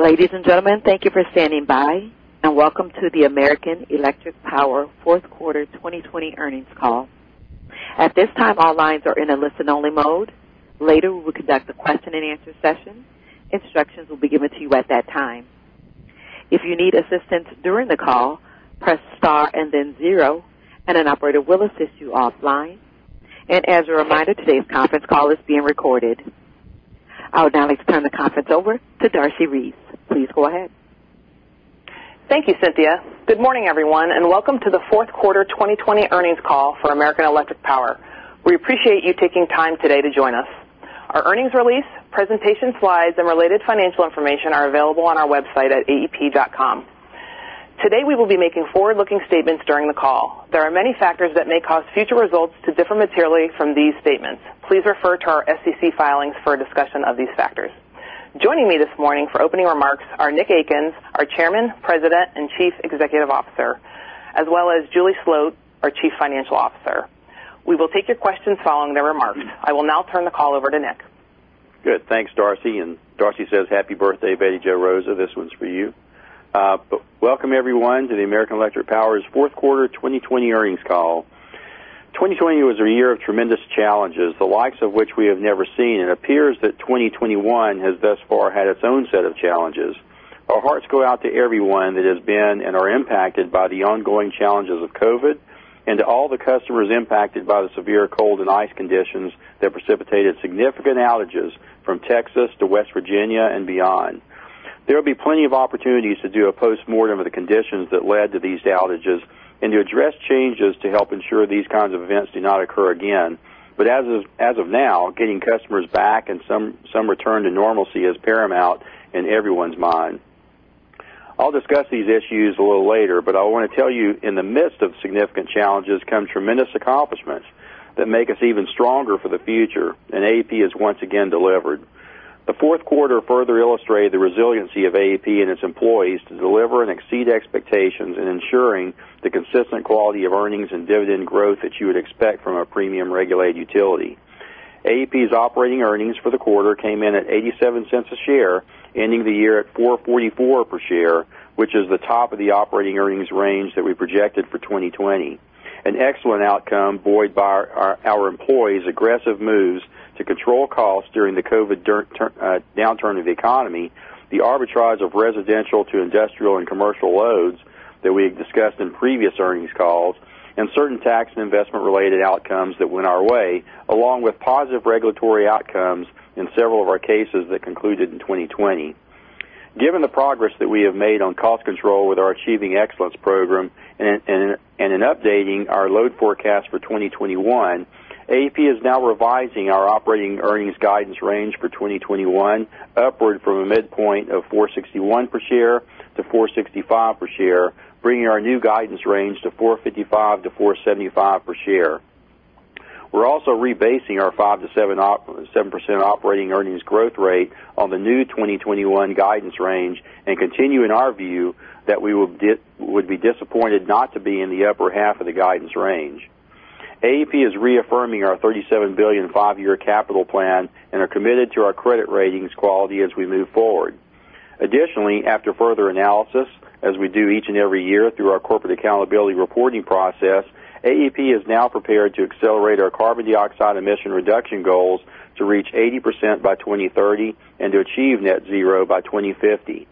Ladies and gentlemen, thank you for standing by. Welcome to the American Electric Power fourth quarter 2020 earnings call. At this time, all lines are in a listen-only mode. Later, we will conduct a question-and-answer session. Instructions will be given to you at that time. If you need assistance during the call, press star and then zero, and an operator will assist you offline. As a reminder, today's conference call is being recorded. I would now like to turn the conference over to Darcy Reese. Please go ahead. Thank you, Cynthia. Good morning, everyone, and welcome to the fourth quarter 2020 earnings call for American Electric Power. We appreciate you taking time today to join us. Our earnings release, presentation slides, and related financial information are available on our website at aep.com. Today, we will be making forward-looking statements during the call. There are many factors that may cause future results to differ materially from these statements. Please refer to our SEC filings for a discussion of these factors. Joining me this morning for opening remarks are Nick Akins, our Chairman, President, and Chief Executive Officer, as well as Julie Sloat, our Chief Financial Officer. We will take your questions following their remarks. I will now turn the call over to Nick. Good. Thanks, Darcy. Darcy says, Happy Birthday, Bette Jo Rozsa. This one's for you. Welcome, everyone, to the American Electric Power's fourth quarter 2020 earnings call. 2020 was a year of tremendous challenges, the likes of which we have never seen. It appears that 2021 has thus far had its own set of challenges. Our hearts go out to everyone that has been and are impacted by the ongoing challenges of COVID-19 and to all the customers impacted by the severe cold and ice conditions that precipitated significant outages from Texas to West Virginia and beyond. There will be plenty of opportunities to do a postmortem of the conditions that led to these outages and to address changes to help ensure these kinds of events do not occur again. As of now, getting customers back and some return to normalcy is paramount in everyone's mind. I'll discuss these issues a little later, but I want to tell you, in the midst of significant challenges come tremendous accomplishments that make us even stronger for the future, and AEP has once again delivered. The fourth quarter further illustrated the resiliency of AEP and its employees to deliver and exceed expectations in ensuring the consistent quality of earnings and dividend growth that you would expect from a premium regulated utility. AEP's operating earnings for the quarter came in at $0.87 a share, ending the year at $4.44 per share, which is the top of the operating earnings range that we projected for 2020. An excellent outcome buoyed by our employees' aggressive moves to control costs during the COVID-19 downturn of the economy, the arbitrage of residential to industrial and commercial loads that we have discussed in previous earnings calls, and certain tax and investment-related outcomes that went our way, along with positive regulatory outcomes in several of our cases that concluded in 2020. Given the progress that we have made on cost control with our Achieving Excellence program and in updating our load forecast for 2021, AEP is now revising our operating earnings guidance range for 2021 upward from a midpoint of $4.61 per share to $4.65 per share, bringing our new guidance range to $4.55-$4.75 per share. We're also rebasing our 5%-7% operating earnings growth rate on the new 2021 guidance range and continue in our view that we would be disappointed not to be in the upper half of the guidance range. AEP is reaffirming our $37 billion five-year capital plan and are committed to our credit ratings quality as we move forward. Additionally, after further analysis, as we do each and every year through our corporate accountability reporting process, AEP is now prepared to accelerate our carbon dioxide emission reduction goals to reach 80% by 2030 and to achieve net zero by 2050.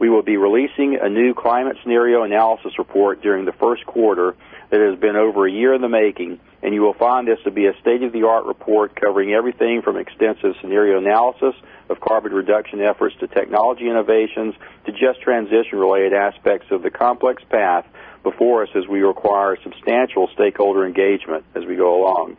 We will be releasing a new climate scenario analysis report during the first quarter that has been over a year in the making. You will find this to be a state-of-the-art report covering everything from extensive scenario analysis of carbon reduction efforts to technology innovations to just transition-related aspects of the complex path before us as we require substantial stakeholder engagement as we go along.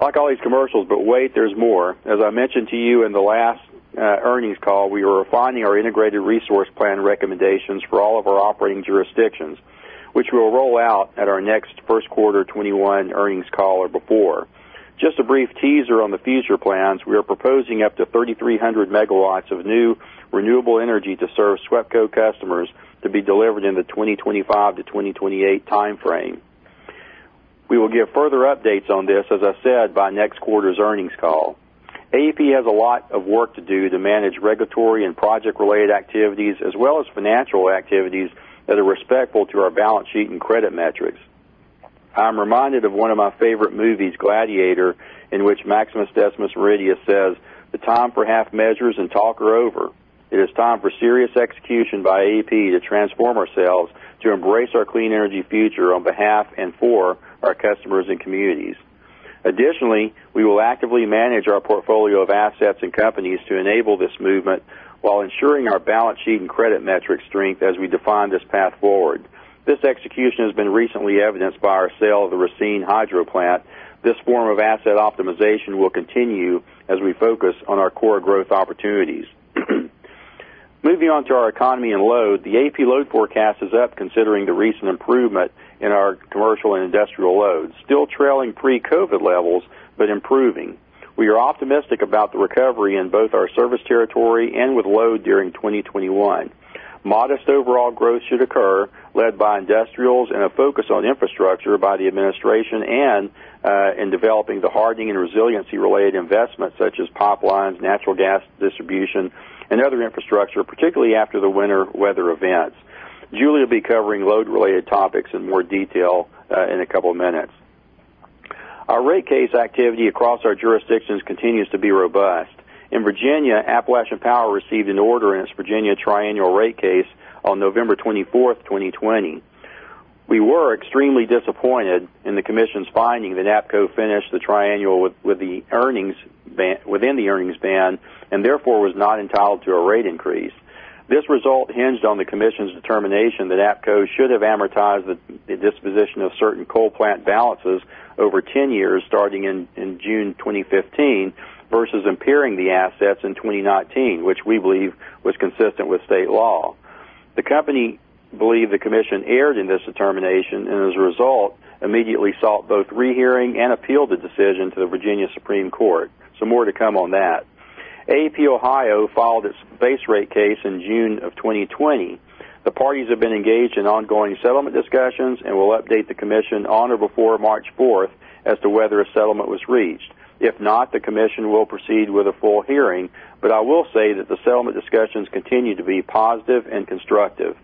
Like all these commercials, wait, there's more. As I mentioned to you in the last earnings call, we are refining our integrated resource plan recommendations for all of our operating jurisdictions, which we will roll out at our next first quarter 2021 earnings call or before. Just a brief teaser on the future plans, we are proposing up to 3,300 MW of new renewable energy to serve SWEPCO customers to be delivered in the 2025 to 2028 timeframe. We will give further updates on this, as I said, by next quarter's earnings call. AEP has a lot of work to do to manage regulatory and project-related activities as well as financial activities that are respectful to our balance sheet and credit metrics. I'm reminded of one of my favorite movies, Gladiator, in which Maximus Decimus Meridius says, "The time for half-measures and talk are over." It is time for serious execution by AEP to transform ourselves to embrace our clean energy future on behalf and for our customers and communities. Additionally, we will actively manage our portfolio of assets and companies to enable this movement while ensuring our balance sheet and credit metric strength as we define this path forward. This execution has been recently evidenced by our sale of the Racine Hydro plant. This form of asset optimization will continue as we focus on our core growth opportunities. Moving on to our economy and load. The AEP load forecast is up considering the recent improvement in our commercial and industrial loads, still trailing pre-COVID-19 levels, but improving. We are optimistic about the recovery in both our service territory and with load during 2021. Modest overall growth should occur led by industrials and a focus on infrastructure by the administration and in developing the hardening and resiliency-related investments such as pipelines, natural gas distribution, and other infrastructure, particularly after the winter weather events. Julie will be covering load-related topics in more detail in a couple of minutes. Our rate case activity across our jurisdictions continues to be robust. In Virginia, Appalachian Power received an order in its Virginia Triennial Rate Case on November 24th, 2020. We were extremely disappointed in the Commission's finding that APCO finished the Triennial within the earnings band and therefore was not entitled to a rate increase. This result hinged on the Commission's determination that APCO should have amortized the disposition of certain coal plant balances over 10-years starting in June 2015 versus impairing the assets in 2019, which we believe was consistent with state law. The company believed the Commission erred in this determination and as a result, immediately sought both rehearing and appealed the decision to the Virginia Supreme Court. More to come on that. AEP Ohio filed its base rate case in June of 2020. The parties have been engaged in ongoing settlement discussions and will update the Commission on or before March 4th as to whether a settlement was reached. If not, the Commission will proceed with a full hearing, but I will say that the settlement discussions continue to be positive and constructive.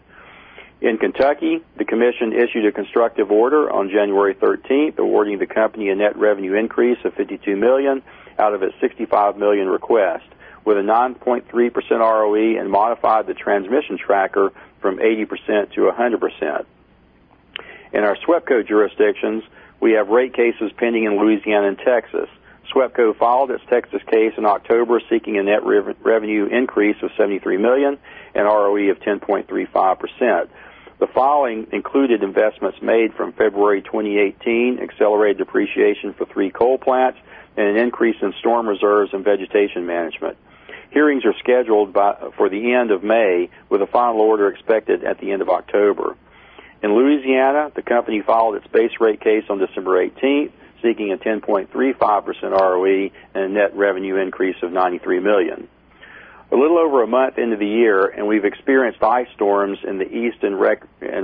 In Kentucky, the Commission issued a constructive order on January 13th, awarding the company a net revenue increase of $52 million out of a $65 million request with a 9.3% ROE and modified the transmission tracker from 80% to 100%. In our SWEPCO jurisdictions, we have rate cases pending in Louisiana and Texas. SWEPCO filed its Texas case in October, seeking a net revenue increase of $73 million and ROE of 10.35%. The following included investments made from February 2018, accelerated depreciation for three coal plants, and an increase in storm reserves and vegetation management. Hearings are scheduled for the end of May, with a final order expected at the end of October. In Louisiana, the company filed its base rate case on December 18th, seeking a 10.35% ROE and a net revenue increase of $93 million. A little over one month into the year, and we've experienced ice storms in the east and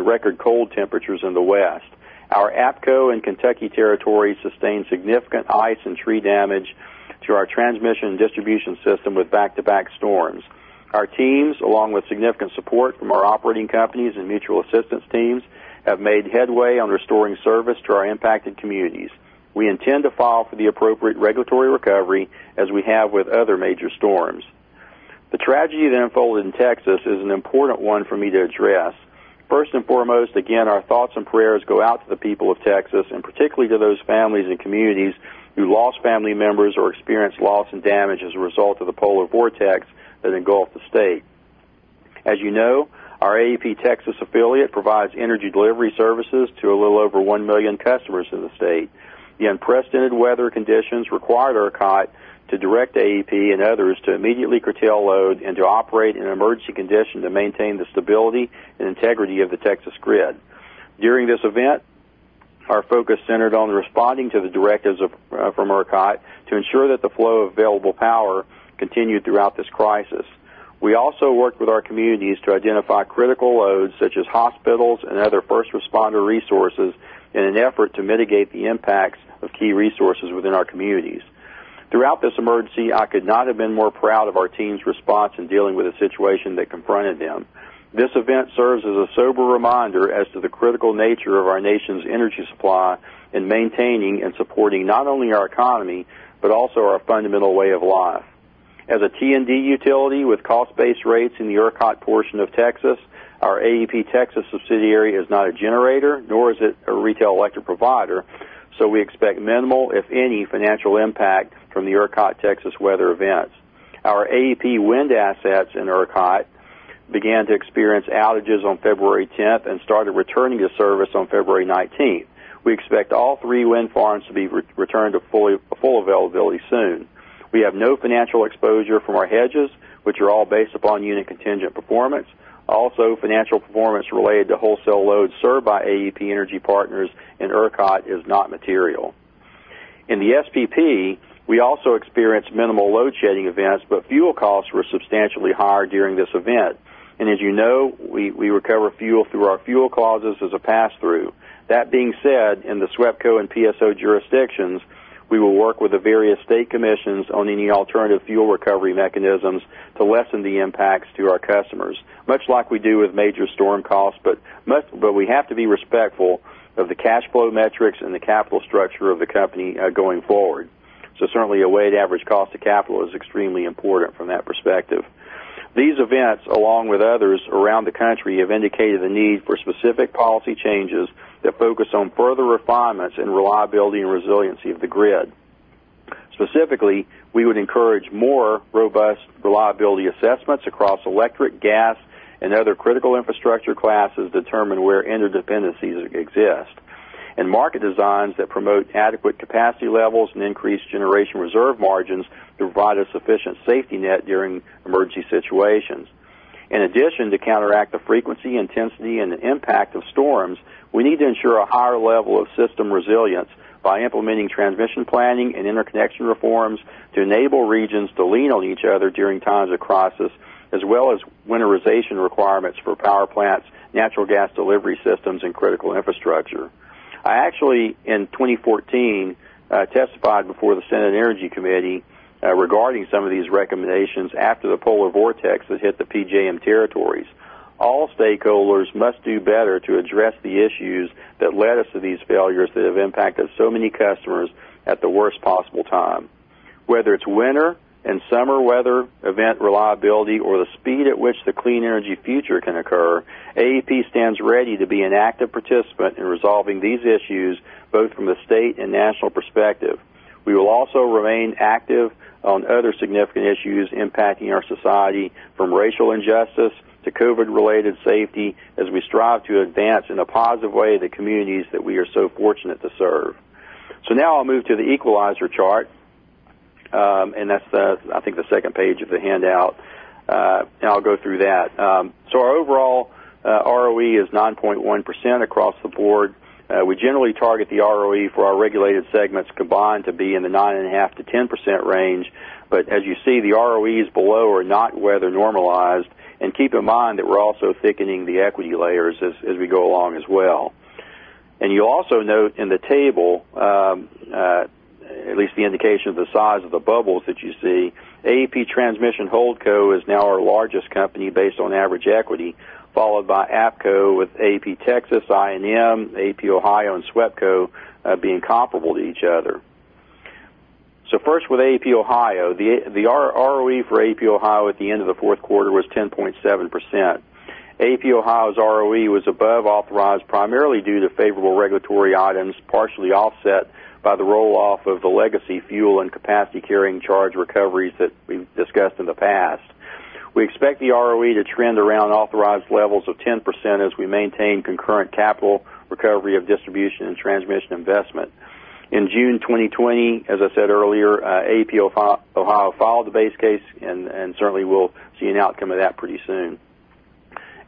record cold temperatures in the west. Our APCO and Kentucky territory sustained significant ice and tree damage to our transmission and distribution system with back-to-back storms. Our teams, along with significant support from our operating companies and mutual assistance teams, have made headway on restoring service to our impacted communities. We intend to file for the appropriate regulatory recovery as we have with other major storms. The tragedy that unfolded in Texas is an important one for me to address. First and foremost, again, our thoughts and prayers go out to the people of Texas, and particularly to those families and communities who lost family members or experienced loss and damage as a result of the polar vortex that engulfed the state. As you know, our AEP Texas affiliate provides energy delivery services to a little over one million customers in the state. The unprecedented weather conditions required ERCOT to direct AEP and others to immediately curtail load and to operate in an emergency condition to maintain the stability and integrity of the Texas grid. During this event, our focus centered on responding to the directives from ERCOT to ensure that the flow of available power continued throughout this crisis. We also worked with our communities to identify critical loads such as hospitals and other first responder resources in an effort to mitigate the impacts of key resources within our communities. Throughout this emergency, I could not have been more proud of our team's response in dealing with the situation that confronted them. This event serves as a sober reminder as to the critical nature of our nation's energy supply in maintaining and supporting not only our economy, but also our fundamental way of life. As a T&D utility with cost-based rates in the ERCOT portion of Texas, our AEP Texas subsidiary is not a generator, nor is it a Retail Electric Provider. We expect minimal, if any, financial impact from the ERCOT Texas weather events. Our AEP wind assets in ERCOT began to experience outages on February 10th and started returning to service on February 19th. We expect all three wind farms to be returned to full availability soon. We have no financial exposure from our hedges, which are all based upon unit contingent performance. Financial performance related to wholesale loads served by AEP Energy Partners and ERCOT is not material. In the SPP, we also experienced minimal load shedding events, fuel costs were substantially higher during this event. As you know, we recover fuel through our fuel clauses as a pass-through. That being said, in the SWEPCO and PSO jurisdictions, we will work with the various state commissions on any alternative fuel recovery mechanisms to lessen the impacts to our customers, much like we do with major storm costs, we have to be respectful of the cash flow metrics and the capital structure of the company going forward. Certainly, a weighted average cost of capital is extremely important from that perspective. These events, along with others around the country, have indicated the need for specific policy changes that focus on further refinements in reliability and resiliency of the grid. Specifically, we would encourage more robust reliability assessments across electric, gas, and other critical infrastructure classes to determine where interdependencies exist, and market designs that promote adequate capacity levels and increased generation reserve margins to provide a sufficient safety net during emergency situations. In addition, to counteract the frequency, intensity, and impact of storms, we need to ensure a higher level of system resilience by implementing transmission planning and interconnection reforms to enable regions to lean on each other during times of crisis, as well as winterization requirements for power plants, natural gas delivery systems, and critical infrastructure. I actually, in 2014, testified before the Senate Energy Committee regarding some of these recommendations after the polar vortex that hit the PJM territories. All stakeholders must do better to address the issues that led us to these failures that have impacted so many customers at the worst possible time. Whether it's winter and summer weather event reliability or the speed at which the clean energy future can occur, AEP stands ready to be an active participant in resolving these issues, both from the state and national perspective. We will also remain active on other significant issues impacting our society, from racial injustice to COVID-19 related safety, as we strive to advance in a positive way the communities that we are so fortunate to serve. Now I'll move to the equalizer chart, and that's I think the second page of the handout. I'll go through that. Our overall ROE is 9.1% across the board. We generally target the ROE for our regulated segments combined to be in the 9.5%-10% range. As you see, the ROEs below are not weather normalized. Keep in mind that we're also thickening the equity layers as we go along as well. You also note in the table, at least the indication of the size of the bubbles that you see, AEP Transmission Holdco. Is now our largest company based on average equity, followed by APCO with AEP Texas, I&M, AEP Ohio, and SWEPCO being comparable to each other. First with AEP Ohio. The ROE for AEP Ohio at the end of the fourth quarter was 10.7%. AEP Ohio's ROE was above authorized primarily due to favorable regulatory items, partially offset by the roll-off of the legacy fuel and capacity carrying charge recoveries that we've discussed in the past. We expect the ROE to trend around authorized levels of 10% as we maintain concurrent capital recovery of distribution and transmission investment. In June 2020, as I said earlier, AEP Ohio filed the base case and certainly we'll see an outcome of that pretty soon.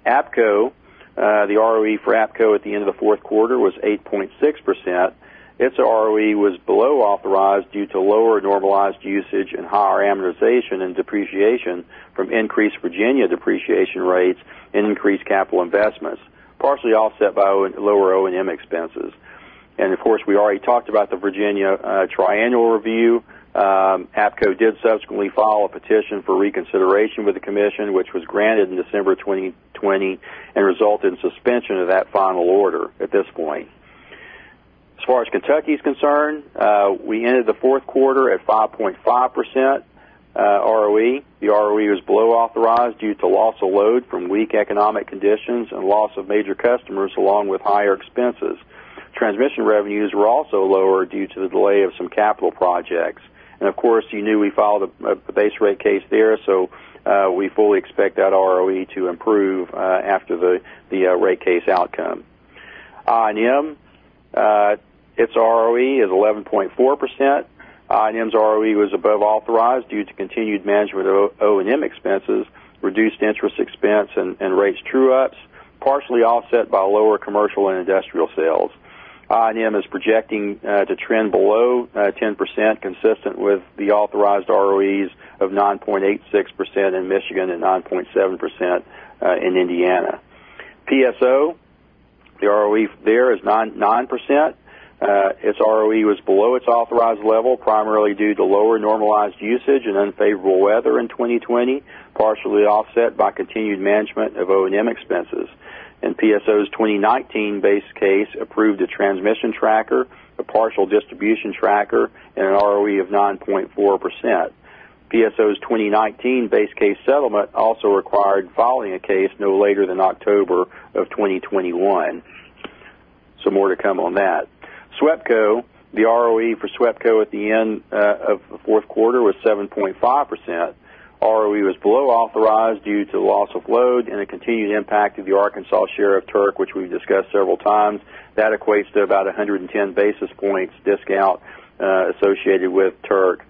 APCO, the ROE for APCO at the end of the fourth quarter was 8.6%. Its ROE was below authorized due to lower normalized usage and higher amortization and depreciation from increased Virginia depreciation rates and increased capital investments, partially offset by lower O&M expenses. Of course, we already talked about the Virginia Triennial Review. APCO did subsequently file a petition for reconsideration with the commission, which was granted in December 2020 and resulted in suspension of that final order at this point. As far as Kentucky is concerned, we ended the fourth quarter at 5.5% ROE. The ROE was below authorized due to loss of load from weak economic conditions and loss of major customers, along with higher expenses. Transmission revenues were also lower due to the delay of some capital projects. Of course, you knew we filed a base rate case there, so we fully expect that ROE to improve after the rate case outcome. I&M, its ROE is 11.4%. I&M's ROE was above authorized due to continued management of O&M expenses, reduced interest expense, and rates true-ups, partially offset by lower commercial and industrial sales. I&M is projecting to trend below 10%, consistent with the authorized ROEs of 9.86% in Michigan and 9.7% in Indiana. PSO, the ROE there is 9%. Its ROE was below its authorized level, primarily due to lower normalized usage and unfavorable weather in 2020, partially offset by continued management of O&M expenses. PSO's 2019 base case approved a transmission tracker, a partial distribution tracker, and an ROE of 9.4%. PSO's 2019 base case settlement also required filing a case no later than October of 2021. More to come on that. SWEPCO, the ROE for SWEPCO at the end of the fourth quarter was 7.5%. ROE was below authorized due to loss of load and the continued impact of the Arkansas share of TCOS, which we've discussed several times. That equates to about 110 basis points discount associated with TCOS.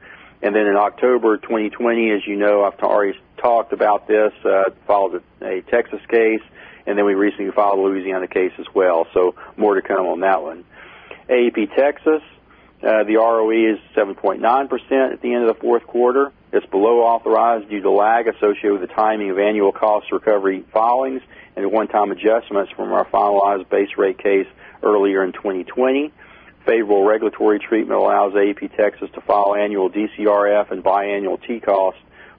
In October 2020, as you know, I've already talked about this, filed a Texas case. We recently filed a Louisiana case as well. More to come on that one. AEP Texas, the ROE is 7.9% at the end of the fourth quarter. It's below authorized due to lag associated with the timing of annual cost recovery filings and one-time adjustments from our finalized base rate case earlier in 2020. Favorable regulatory treatment allows AEP Texas to file annual DCRF and biannual TCOS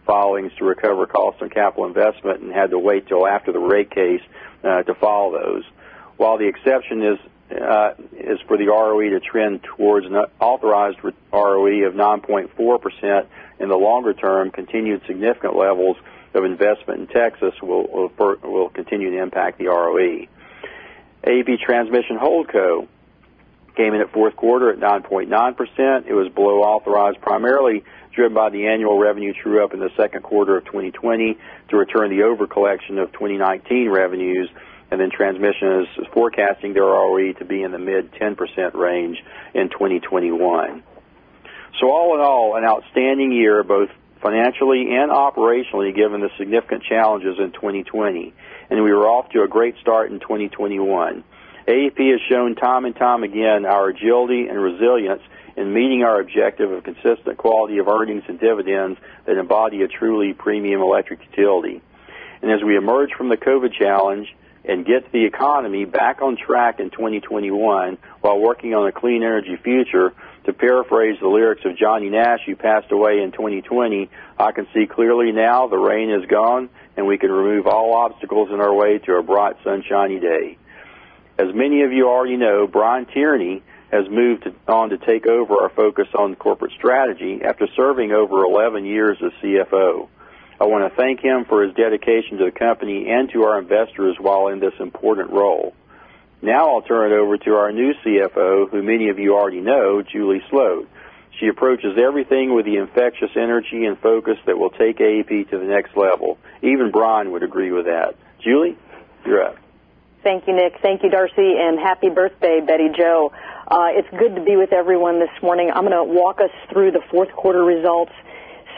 filings to recover costs on capital investment and had to wait till after the rate case to file those. While the exception is for the ROE to trend towards an authorized ROE of 9.4% in the longer term, continued significant levels of investment in Texas will continue to impact the ROE. AEP Transmission Holdco. Came in at fourth quarter at 9.9%. It was below authorized, primarily driven by the annual revenue true-up in the second quarter of 2020 to return the overcollection of 2019 revenues. Transmission is forecasting their ROE to be in the mid-10% range in 2021. All in all, an outstanding year, both financially and operationally, given the significant challenges in 2020. We were off to a great start in 2021. AEP has shown time and time again our agility and resilience in meeting our objective of consistent quality of earnings and dividends that embody a truly premium electric utility. As we emerge from the COVID-19 challenge and get the economy back on track in 2021 while working on a clean energy future, to paraphrase the lyrics of Johnny Nash, who passed away in 2020, "I can see clearly now, the rain is gone, and we can remove all obstacles in our way to a bright sunshiny day." As many of you already know, Brian Tierney has moved on to take over our focus on corporate strategy after serving over 11 years as Chief Financial Officer. I want to thank him for his dedication to the company and to our investors while in this important role. Now I'll turn it over to our new Chief Financial Officer, who many of you already know, Julie Sloat. She approaches everything with the infectious energy and focus that will take AEP to the next level. Even Brian would agree with that. Julie, you're up. Thank you, Nick. Thank you, Darcy, and Happy Birthday, Bette Jo Rozsa. It's good to be with everyone this morning. I'm going to walk us through the fourth quarter results,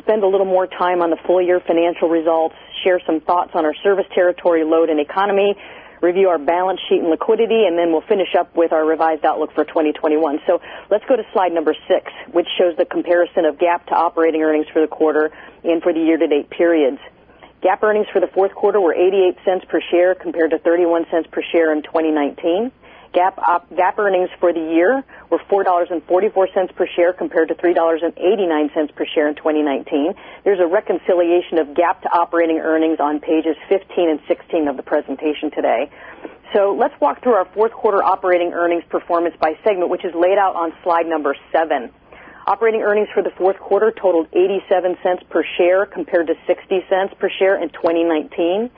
spend a little more time on the full-year financial results, share some thoughts on our service territory load and economy, review our balance sheet and liquidity, we'll finish up with our revised outlook for 2021. Let's go to slide number six, which shows the comparison of GAAP to operating earnings for the quarter and for the year-to-date periods. GAAP earnings for the fourth quarter were $0.88 per share compared to $0.31 per share in 2019. GAAP earnings for the year were $4.44 per share compared to $3.89 per share in 2019. There's a reconciliation of GAAP to operating earnings on pages 15 and 16 of the presentation today. Let's walk through our fourth quarter operating earnings performance by segment, which is laid out on slide number seven. Operating earnings for the fourth quarter totaled $0.87 per share compared to $0.60 per share in 2019.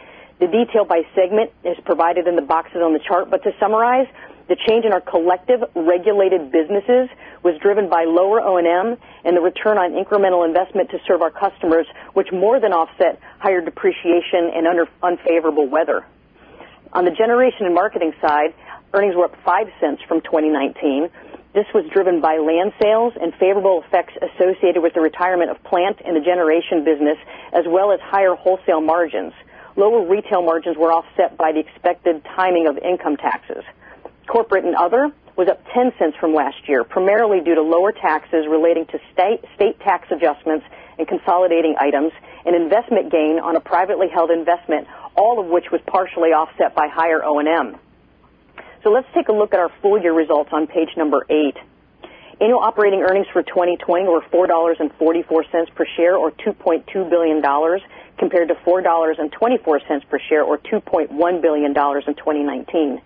The detail by segment is provided in the boxes on the chart. To summarize, the change in our collective regulated businesses was driven by lower O&M and the return on incremental investment to serve our customers, which more than offset higher depreciation and unfavorable weather. On the generation and marketing side, earnings were up $0.05 from 2019. This was driven by land sales and favorable effects associated with the retirement of plants in the generation business, as well as higher wholesale margins. Lower retail margins were offset by the expected timing of income taxes. Corporate and other was up $0.10 from last year, primarily due to lower taxes relating to state tax adjustments and consolidating items, an investment gain on a privately held investment, all of which was partially offset by higher O&M. Let's take a look at our full-year results on page number eight. Annual operating earnings for 2020 were $4.44 per share or $2.2 billion, compared to $4.24 per share or $2.1 billion in 2019.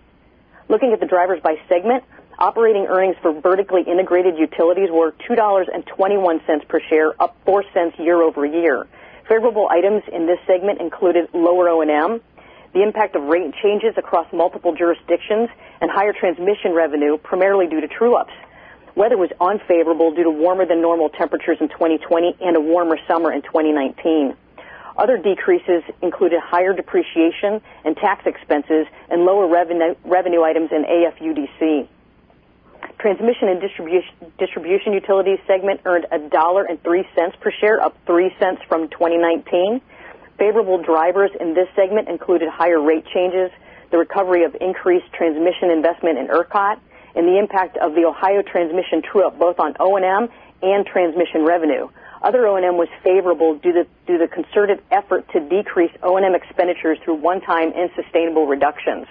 Looking at the drivers by segment, operating earnings for vertically integrated utilities were $2.21 per share, up $0.04 year-over-year. Favorable items in this segment included lower O&M, the impact of rate changes across multiple jurisdictions, and higher transmission revenue, primarily due to true-ups. Weather was unfavorable due to warmer-than-normal temperatures in 2020 and a warmer summer in 2019. Other decreases included higher depreciation and tax expenses and lower revenue items in AFUDC. Transmission and distribution utilities segment earned $1.03 per share, up $0.03 from 2019. Favorable drivers in this segment included higher rate changes, the recovery of increased transmission investment in ERCOT, and the impact of the Ohio transmission true-up, both on O&M and transmission revenue. Other O&M was favorable due to concerted effort to decrease O&M expenditures through one-time and sustainable reductions.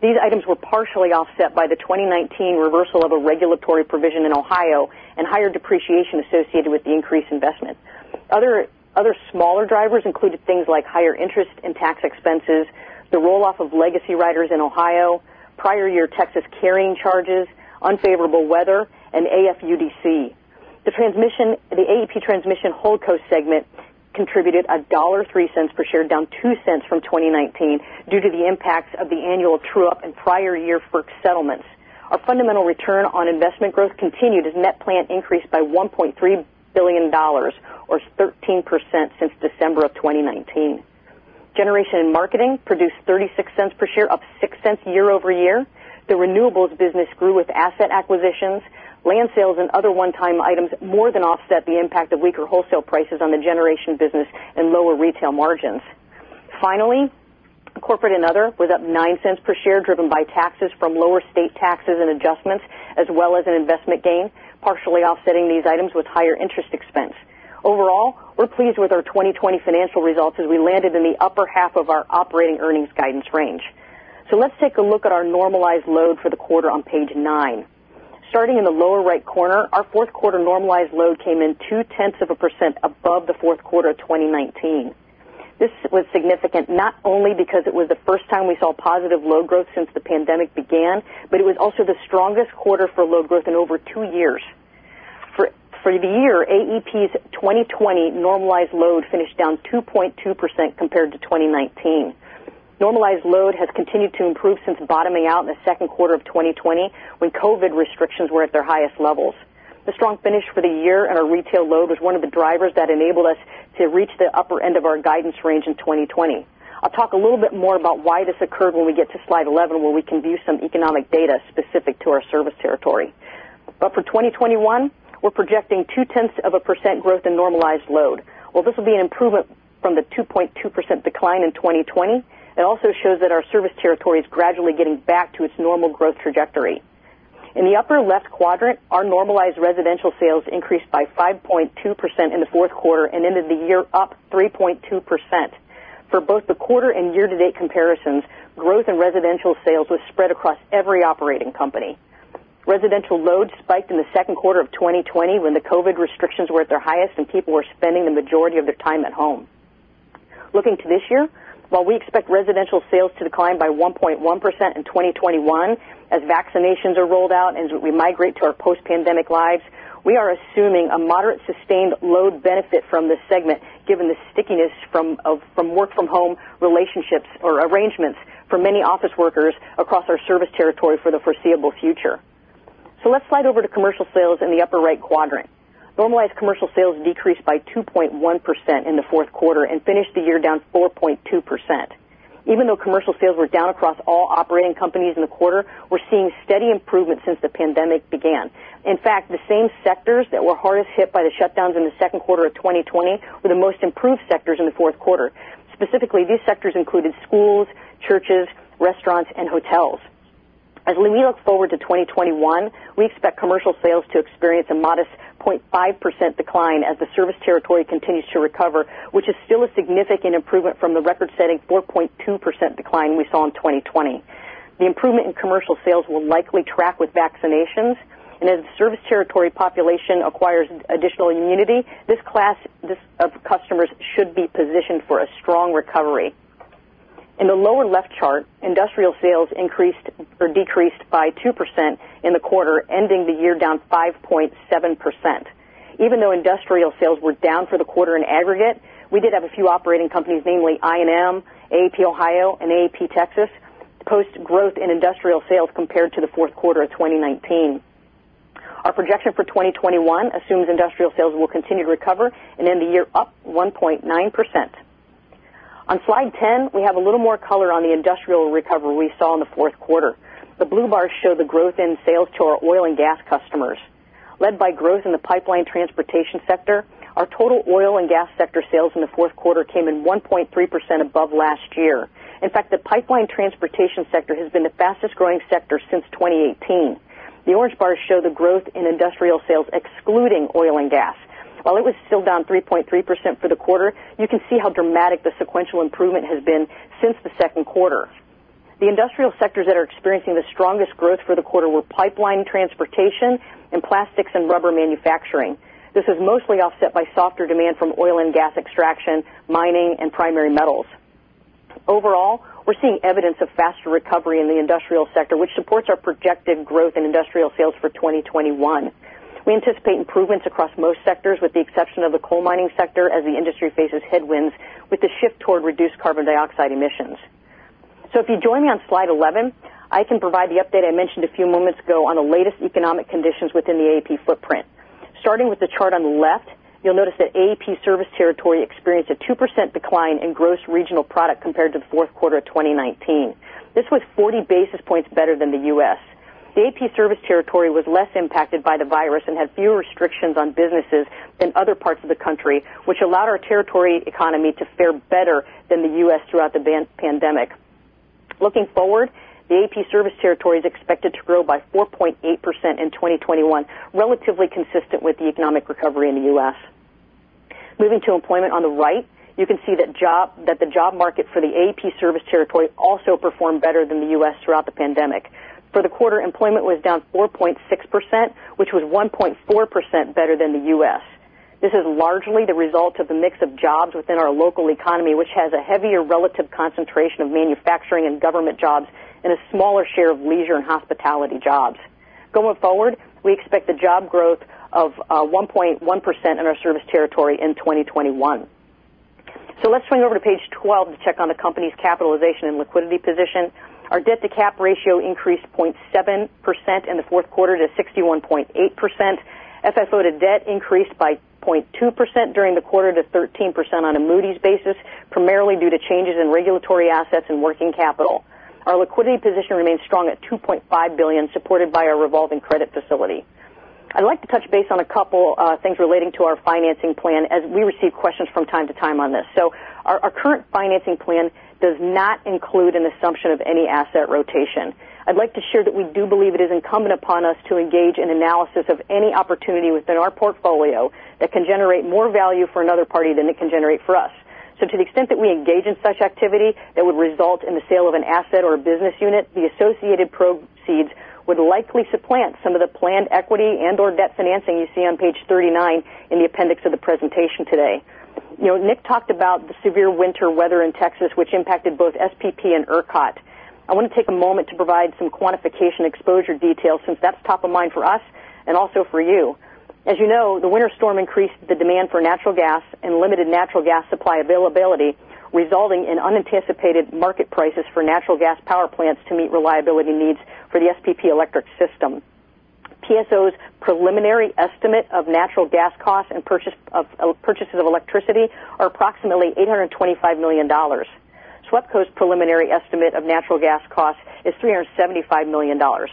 These items were partially offset by the 2019 reversal of a regulatory provision in Ohio and higher depreciation associated with the increased investment. Other smaller drivers included things like higher interest and tax expenses, the roll-off of legacy riders in Ohio, prior-year Texas carrying charges, unfavorable weather, and AFUDC. The AEP Transmission Holdco. Segment contributed $1.03 per share, down $0.02 from 2019 due to the impacts of the annual true-up and prior-year FERC settlements. Our fundamental return on investment growth continued as net plant increased by $1.3 billion or 13% since December of 2019. Generation and marketing produced $0.36 per share, up $0.06 year-over-year. The renewables business grew with asset acquisitions. Land sales and other one-time items more than offset the impact of weaker wholesale prices on the generation business and lower retail margins. Corporate and other was up $0.09 per share, driven by taxes from lower state taxes and adjustments, as well as an investment gain, partially offsetting these items with higher interest expense. We're pleased with our 2020 financial results as we landed in the upper half of our operating earnings guidance range. Let's take a look at our normalized load for the quarter on page nine. Starting in the lower right corner, our fourth quarter normalized load came in 0.2% above the fourth quarter of 2019. This was significant not only because it was the first time we saw positive load growth since the pandemic began, but it was also the strongest quarter for load growth in over two years. For the year, AEP's 2020 normalized load finished down 2.2% compared to 2019. Normalized load has continued to improve since bottoming out in the second quarter of 2020 when COVID-19 restrictions were at their highest levels. The strong finish for the year in our retail load was one of the drivers that enabled us to reach the upper end of our guidance range in 2020. I'll talk a little bit more about why this occurred when we get to slide 11, where we can view some economic data specific to our service territory. For 2021, we're projecting 0.2% growth in normalized load. While this will be an improvement from the 2.2% decline in 2020, it also shows that our service territory is gradually getting back to its normal growth trajectory. In the upper left quadrant, our normalized residential sales increased by 5.2% in the fourth quarter and ended the year up 3.2%. For both the quarter and year-to-date comparisons, growth in residential sales was spread across every operating company. Residential loads spiked in the second quarter of 2020 when the COVID-19 restrictions were at their highest and people were spending the majority of their time at home. Looking to this year, while we expect residential sales to decline by 1.1% in 2021, as vaccinations are rolled out and as we migrate to our post-pandemic lives, we are assuming a moderate sustained load benefit from this segment given the stickiness from work-from-home relationships or arrangements for many office workers across our service territory for the foreseeable future. Let's slide over to commercial sales in the upper right quadrant. Normalized commercial sales decreased by 2.1% in the fourth quarter and finished the year down 4.2%. Even though commercial sales were down across all operating companies in the quarter, we're seeing steady improvement since the pandemic began. In fact, the same sectors that were hardest hit by the shutdowns in the second quarter of 2020 were the most improved sectors in the fourth quarter. Specifically, these sectors included schools, churches, restaurants, and hotels. As we look forward to 2021, we expect commercial sales to experience a modest 0.5% decline as the service territory continues to recover, which is still a significant improvement from the record-setting 4.2% decline we saw in 2020. The improvement in commercial sales will likely track with vaccinations, and as the service territory population acquires additional immunity, this class of customers should be positioned for a strong recovery. In the lower left chart, industrial sales decreased by 2% in the quarter, ending the year down 5.7%. Even though industrial sales were down for the quarter in aggregate, we did have a few operating companies, namely I&M, AEP Ohio, and AEP Texas, post growth in industrial sales compared to the fourth quarter of 2019. Our projection for 2021 assumes industrial sales will continue to recover and end the year up 1.9%. On slide 10, we have a little more color on the industrial recovery we saw in the fourth quarter. The blue bars show the growth in sales to our oil and gas customers. Led by growth in the pipeline transportation sector, our total oil and gas sector sales in the fourth quarter came in 1.3% above last year. In fact, the pipeline transportation sector has been the fastest-growing sector since 2018. The orange bars show the growth in industrial sales excluding oil and gas. While it was still down 3.3% for the quarter, you can see how dramatic the sequential improvement has been since the second quarter. The industrial sectors that are experiencing the strongest growth for the quarter were pipeline transportation and plastics and rubber manufacturing. This is mostly offset by softer demand from oil and gas extraction, mining, and primary metals. Overall, we're seeing evidence of faster recovery in the industrial sector, which supports our projected growth in industrial sales for 2021. We anticipate improvements across most sectors with the exception of the coal mining sector as the industry faces headwinds with the shift toward reduced carbon dioxide emissions. If you join me on slide 11, I can provide the update I mentioned a few moments ago on the latest economic conditions within the AEP footprint. Starting with the chart on the left, you'll notice that AEP service territory experienced a 2% decline in gross regional product compared to the fourth quarter of 2019. This was 40 basis points better than the U.S. The AEP service territory was less impacted by the virus and had fewer restrictions on businesses than other parts of the country, which allowed our territory economy to fare better than the U.S. throughout the pandemic. Looking forward, the AEP service territory is expected to grow by 4.8% in 2021, relatively consistent with the economic recovery in the U.S. Moving to employment on the right, you can see that the job market for the AEP service territory also performed better than the U.S. throughout the pandemic. For the quarter, employment was down 4.6%, which was 1.4% better than the U.S. This is largely the result of the mix of jobs within our local economy, which has a heavier relative concentration of manufacturing and government jobs and a smaller share of leisure and hospitality jobs. Going forward, we expect a job growth of 1.1% in our service territory in 2021. Let's turn over to page 12 to check on the company's capitalization and liquidity position. Our debt-to-cap ratio increased 0.7% in the fourth quarter to 61.8%. As I noted, debt increased by 0.2% during the quarter to 13% on a Moody's basis, primarily due to changes in regulatory assets and working capital. Our liquidity position remains strong at $2.5 billion, supported by our revolving credit facility. I'd like to touch base on a couple things relating to our financing plan, as we receive questions from time to time on this. Our current financing plan does not include an assumption of any asset rotation. I'd like to share that we do believe it is incumbent upon us to engage in analysis of any opportunity within our portfolio that can generate more value for another party than it can generate for us. To the extent that we engage in such activity, that would result in the sale of an asset or a business unit, the associated proceeds would likely supplant some of the planned equity and/or debt financing you see on page 39 in the appendix of the presentation today. Nick talked about the severe winter weather in Texas, which impacted both SPP and ERCOT. I want to take a moment to provide some quantification exposure details since that's top of mind for us and also for you. As you know, the winter storm increased the demand for natural gas and limited natural gas supply availability, resulting in unanticipated market prices for natural gas power plants to meet reliability needs for the SPP electric system. PSO's preliminary estimate of natural gas costs and purchases of electricity are approximately $825 million. SWEPCO's preliminary estimate of natural gas costs is $375 million. To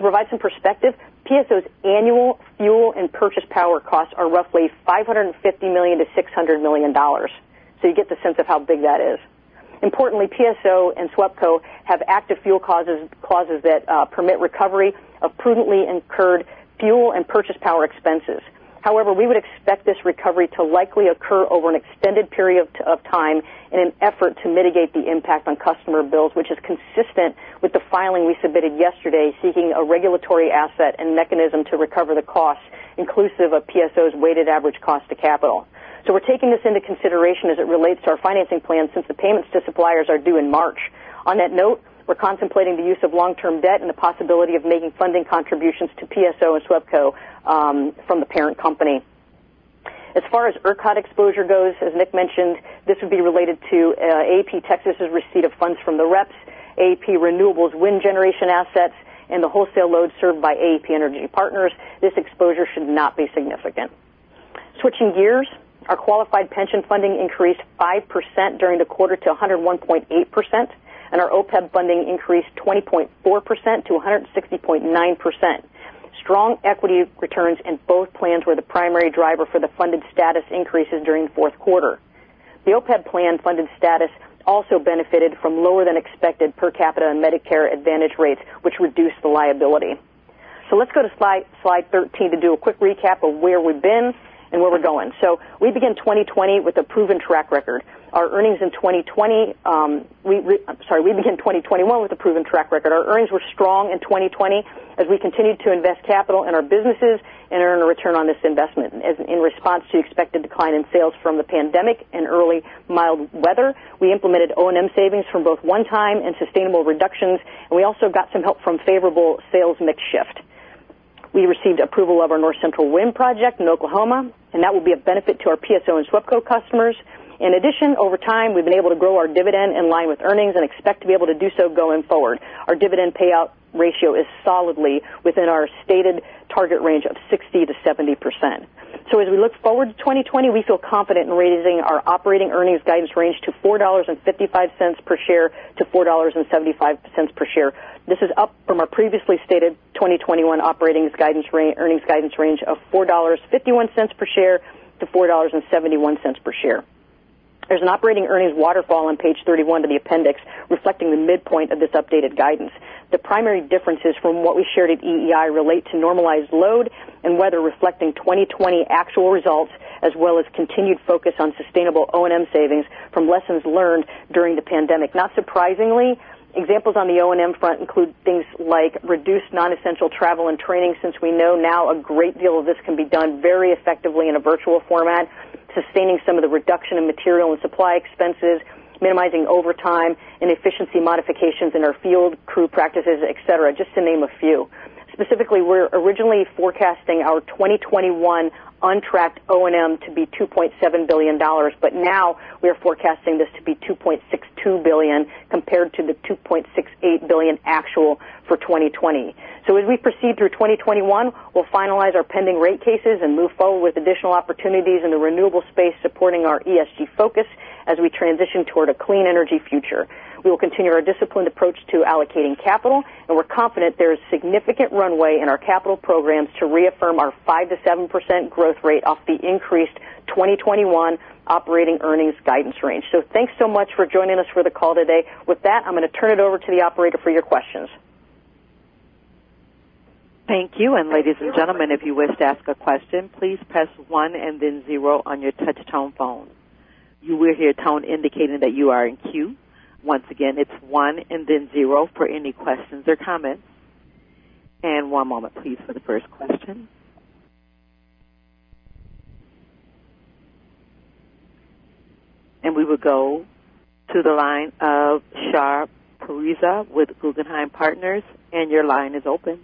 provide some perspective, PSO's annual fuel and purchase power costs are roughly $550 million-$600 million. You get the sense of how big that is. Importantly, PSO and SWEPCO have active fuel clauses that permit recovery of prudently incurred fuel and purchase power expenses. However, we would expect this recovery to likely occur over an extended period of time in an effort to mitigate the impact on customer bills, which is consistent with the filing we submitted yesterday seeking a regulatory asset and mechanism to recover the costs inclusive of PSO's weighted average cost of capital. We're taking this into consideration as it relates to our financing plan, since the payments to suppliers are due in March. On that note, we're contemplating the use of long-term debt and the possibility of making funding contributions to PSO and SWEPCO from the parent company. As far as ERCOT exposure goes, as Nick mentioned, this would be related to AEP Texas' receipt of funds from the REPs, AEP Renewables wind generation assets, and the wholesale load served by AEP Energy Partners. This exposure should not be significant. Switching gears, our qualified pension funding increased 5% during the quarter to 101.8%, and our OPEB funding increased 20.4%-160.9%. Strong equity returns in both plans were the primary driver for the funded status increases during the fourth quarter. The OPEB plan funded status also benefited from lower than expected per capita and Medicare Advantage rates, which reduced the liability. Let's go to slide 13 to do a quick recap of where we've been and where we're going. We begin 2021 with a proven track record. Our earnings were strong in 2020 as we continued to invest capital in our businesses and earn a return on this investment. In response to expected decline in sales from the pandemic and early mild weather, we implemented O&M savings from both one-time and sustainable reductions, and we also got some help from favorable sales mix shift. We received approval of our North Central Wind project in Oklahoma, and that will be a benefit to our PSO and SWEPCO customers. In addition, over time, we've been able to grow our dividend in line with earnings and expect to be able to do so going forward. Our dividend payout ratio is solidly within our stated target range of 60%-70%. As we look forward to 2020, we feel confident in raising our operating earnings guidance range to $4.55 per share-$4.75 per share. This is up from our previously stated 2021 operating earnings guidance range of $4.51 per share-$4.71 per share. There is an operating earnings waterfall on page 31 of the appendix reflecting the midpoint of this updated guidance. The primary differences from what we shared at EEI relate to normalized load and weather reflecting 2020 actual results, as well as continued focus on sustainable O&M savings from lessons learned during the pandemic. Not surprisingly, examples on the O&M front include things like reduced non-essential travel and training, since we know now a great deal of this can be done very effectively in a virtual format, sustaining some of the reduction in material and supply expenses, minimizing overtime, and efficiency modifications in our field crew practices, et cetera, just to name a few. Specifically, we're originally forecasting our 2021 on-track O&M to be $2.7 billion. Now we are forecasting this to be $2.62 billion compared to the $2.68 billion actual for 2020. As we proceed through 2021, we'll finalize our pending rate cases and move forward with additional opportunities in the renewable space supporting our ESG focus as we transition toward a clean energy future. We will continue our disciplined approach to allocating capital. We're confident there is significant runway in our capital programs to reaffirm our 5%-7% growth rate off the increased 2021 operating earnings guidance range. Thanks so much for joining us for the call today. With that, I'm going to turn it over to the operator for your questions. Thank you. Ladies and gentlemen, if you wish to ask a question, please press one and then zero on your touch-tone phone. You will hear a tone indicating that you are in queue. Once again, it's one and then zero for any questions or comments. One moment please for the first question. We will go to the line of Shar Pourreza with Guggenheim Partners, your line is open.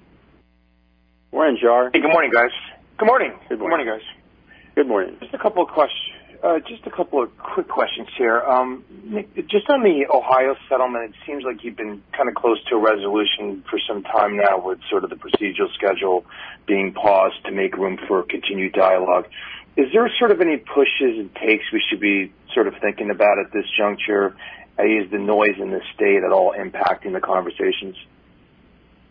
Morning, Shar. Good morning, guys. Good morning. Good morning, guys. Good morning. Just a couple of quick questions here. Nick, just on the Ohio settlement, it seems like you've been kind of close to a resolution for some time now with sort of the procedural schedule being paused to make room for continued dialogue. Is there sort of any pushes and takes we should be sort of thinking about at this juncture? Is the noise in this state at all impacting the conversations?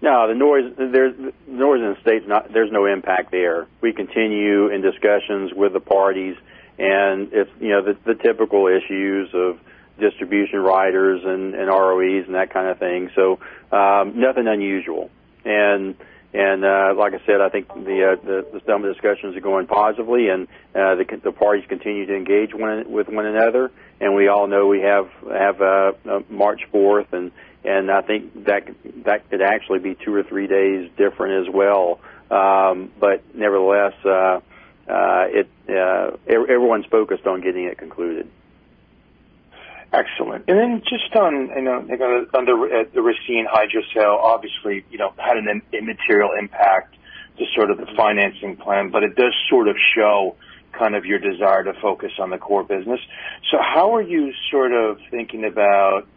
No, the noise in the state, there's no impact there. We continue in discussions with the parties, and the typical issues of distribution riders and ROEs and that kind of thing. Nothing unusual. Like I said, I think the discussions are going positively, and the parties continue to engage with one another. We all know we have March 4th, and I think that could actually be two or three days different as well. Nevertheless, everyone's focused on getting it concluded. Excellent. Just on the Racine Hydro sale, obviously, had an immaterial impact to sort of the financing plan, it does sort of show kind of your desire to focus on the core business. How are you sort of thinking about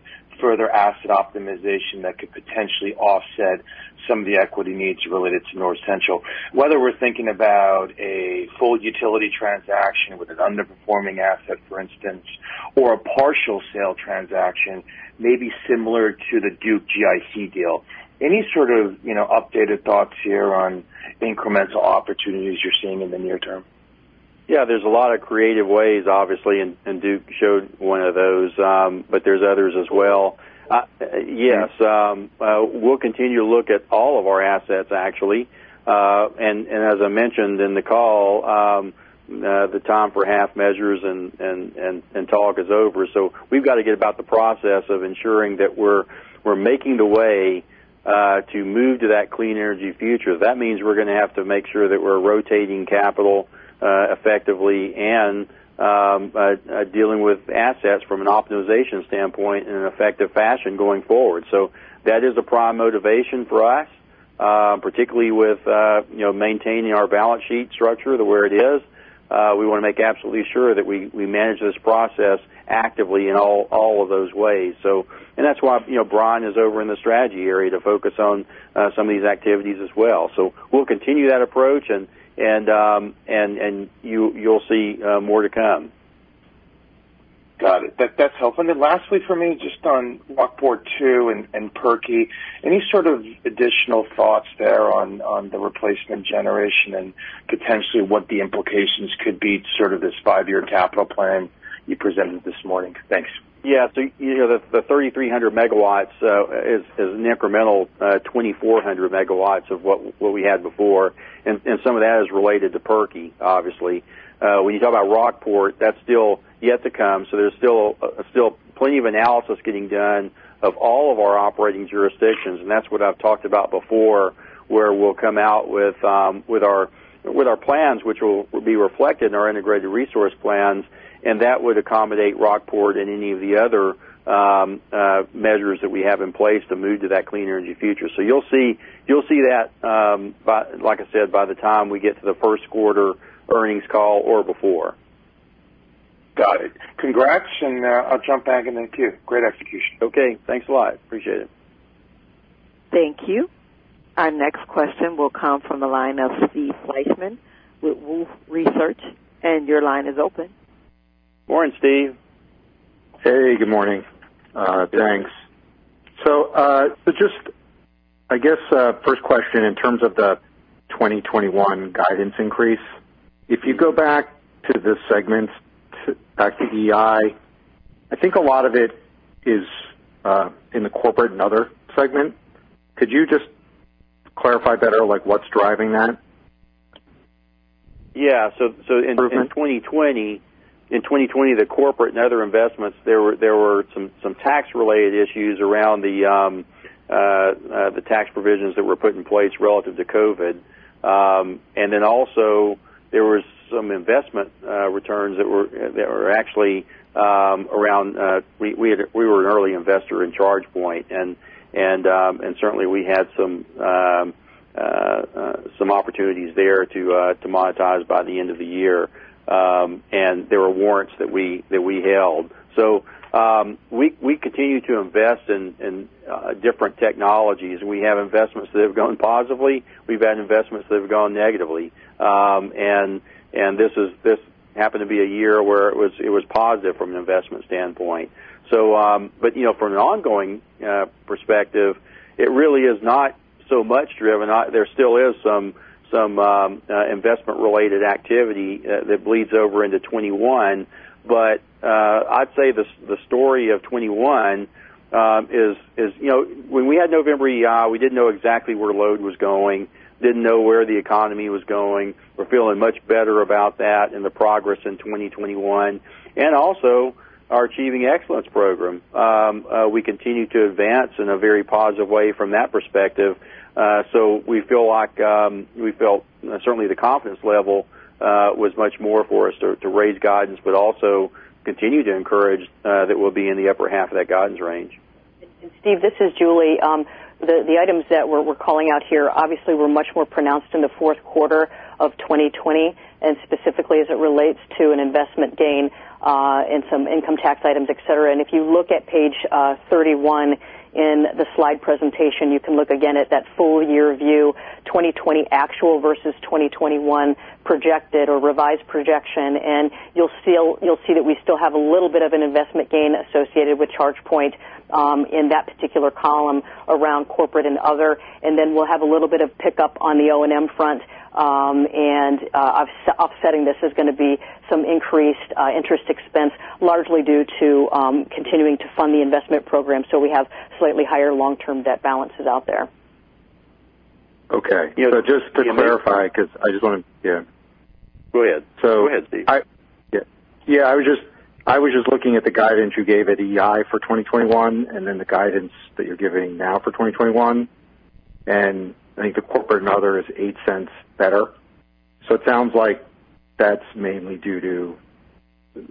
further asset optimization that could potentially offset some of the equity needs related to North Central? Whether we're thinking about a full utility transaction with an underperforming asset, for instance, or a partial sale transaction, maybe similar to the Duke GIC deal. Any sort of updated thoughts here on incremental opportunities you're seeing in the near term? Yeah, there's a lot of creative ways, obviously, and Duke showed one of those, but there's others as well. Yes, we'll continue to look at all of our assets, actually. As I mentioned in the call, the time for half measures and talk is over. We've got to get about the process of ensuring that we're making the way to move to that clean energy future. That means we're going to have to make sure that we're rotating capital effectively and dealing with assets from an optimization standpoint in an effective fashion going forward. That is a prime motivation for us, particularly with maintaining our balance sheet structure to where it is. We want to make absolutely sure that we manage this process actively in all of those ways. That's why Brian is over in the strategy area to focus on some of these activities as well. We'll continue that approach, and you'll see more to come. Got it. That's helpful. Lastly for me, just on Rockport Unit 2 and Pirkey, any sort of additional thoughts there on the replacement generation and potentially what the implications could be to sort of this five-year capital plan you presented this morning? Thanks. Yeah. The 3,300 MW is an incremental 2,400 MW of what we had before. Some of that is related to Pirkey, obviously. When you talk about Rockport, that's still yet to come. There's still plenty of analysis getting done of all of our operating jurisdictions, and that's what I've talked about before, where we'll come out with our plans, which will be reflected in our integrated resource plans, and that would accommodate Rockport and any of the other measures that we have in place to move to that clean energy future. You'll see that, like I said, by the time we get to the first quarter earnings call or before. Got it. Congrats. I'll jump back in the queue, great execution. Okay, thanks a lot. Appreciate it. Thank you. Our next question will come from the line of Steve Fleishman with Wolfe Research. Your line is open. Morning, Steve. Hey, good morning, thanks. Just, I guess, first question in terms of the 2021 guidance increase. If you go back to the segments, back to EEI, I think a lot of it is in the Corporate and Other segment. Could you just clarify better, like what's driving that? Yeah. In 2020, the corporate and other investments, there were some tax-related issues around the tax provisions that were put in place relative to COVID-19. Also, there was some investment returns. We were an early investor in ChargePoint, and certainly we had some opportunities there to monetize by the end of the year. There were warrants that we held. We continue to invest in different technologies. We have investments that have gone positively. We've had investments that have gone negatively. This happened to be a year where it was positive from an investment standpoint. For an ongoing perspective, it really is not so much driven. There still is some investment-related activity that bleeds over into 2021. I'd say the story of 2021 is when we had November EEI, we didn't know exactly where load was going, didn't know where the economy was going. We're feeling much better about that and the progress in 2021. Also our Achieving Excellence program. We continue to advance in a very positive way from that perspective. We feel like certainly the confidence level was much more for us to raise guidance, but also continue to encourage that we'll be in the upper half of that guidance range. Steve, this is Julie. The items that we're calling out here obviously were much more pronounced in the fourth quarter of 2020, and specifically as it relates to an investment gain in some income tax items, et cetera. If you look at page 31 in the slide presentation, you can look again at that full-year view, 2020 actual versus 2021 projected or revised projection. You'll see that we still have a little bit of an investment gain associated with ChargePoint in that particular column around corporate and other. Then we'll have a little bit of pickup on the O&M front. Offsetting this is going to be some increased interest expense, largely due to continuing to fund the investment program. We have slightly higher long-term debt balances out there. Okay. Just to clarify. Yeah. Go ahead. Go ahead, Steve. I was just looking at the guidance you gave at EEI for 2021, and then the guidance that you're giving now for 2021. I think the corporate and other is $0.08 better. It sounds like that's mainly due to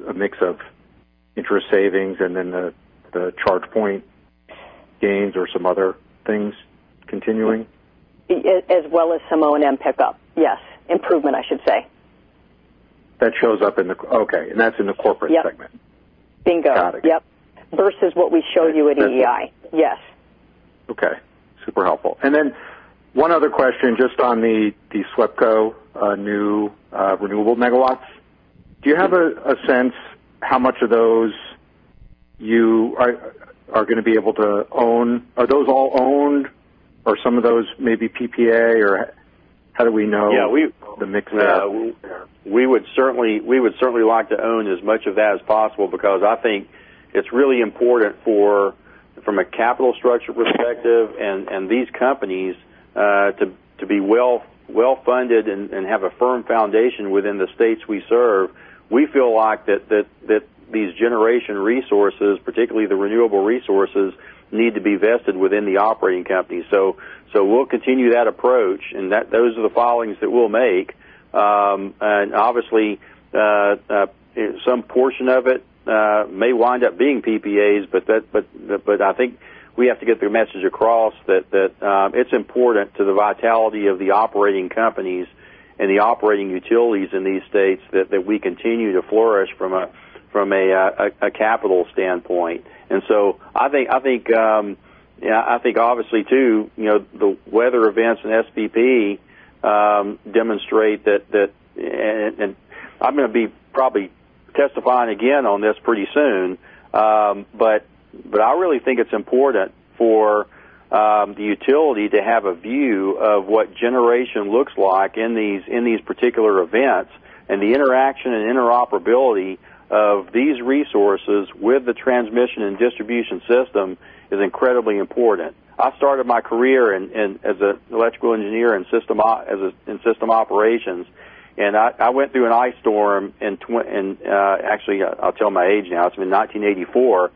a mix of interest savings and then the ChargePoint gains or some other things continuing? As well as some O&M pickup. Yes. Improvement, I should say. That shows up. Okay. That's in the corporate segment? Yep. Bingo. Got it. Yep. Versus what we showed you at EEI. Yes. Okay. Super helpful. One other question, just on the SWEPCO new renewable megawatts. Do you have a sense how much of those you are going to be able to own. Are those all owned or some of those may be PPA, or how do we know the mix there? We would certainly like to own as much of that as possible because I think it's really important from a capital structure perspective and these companies to be well-funded and have a firm foundation within the states we serve. We feel like that these generation resources, particularly the renewable resources, need to be vested within the operating companies. We'll continue that approach, and those are the filings that we'll make. Obviously, some portion of it may wind up being PPAs, but I think we have to get the message across that it's important to the vitality of the operating companies and the operating utilities in these states that we continue to flourish from a capital standpoint. I think, obviously too, the weather events and SPP demonstrate that. I'm going to be probably testifying again on this pretty soon. I really think it's important for the utility to have a view of what generation looks like in these particular events, and the interaction and interoperability of these resources with the transmission and distribution system is incredibly important. I started my career as an electrical engineer in system operations, and I went through an ice storm in, actually I'll tell my age now, it was 1984.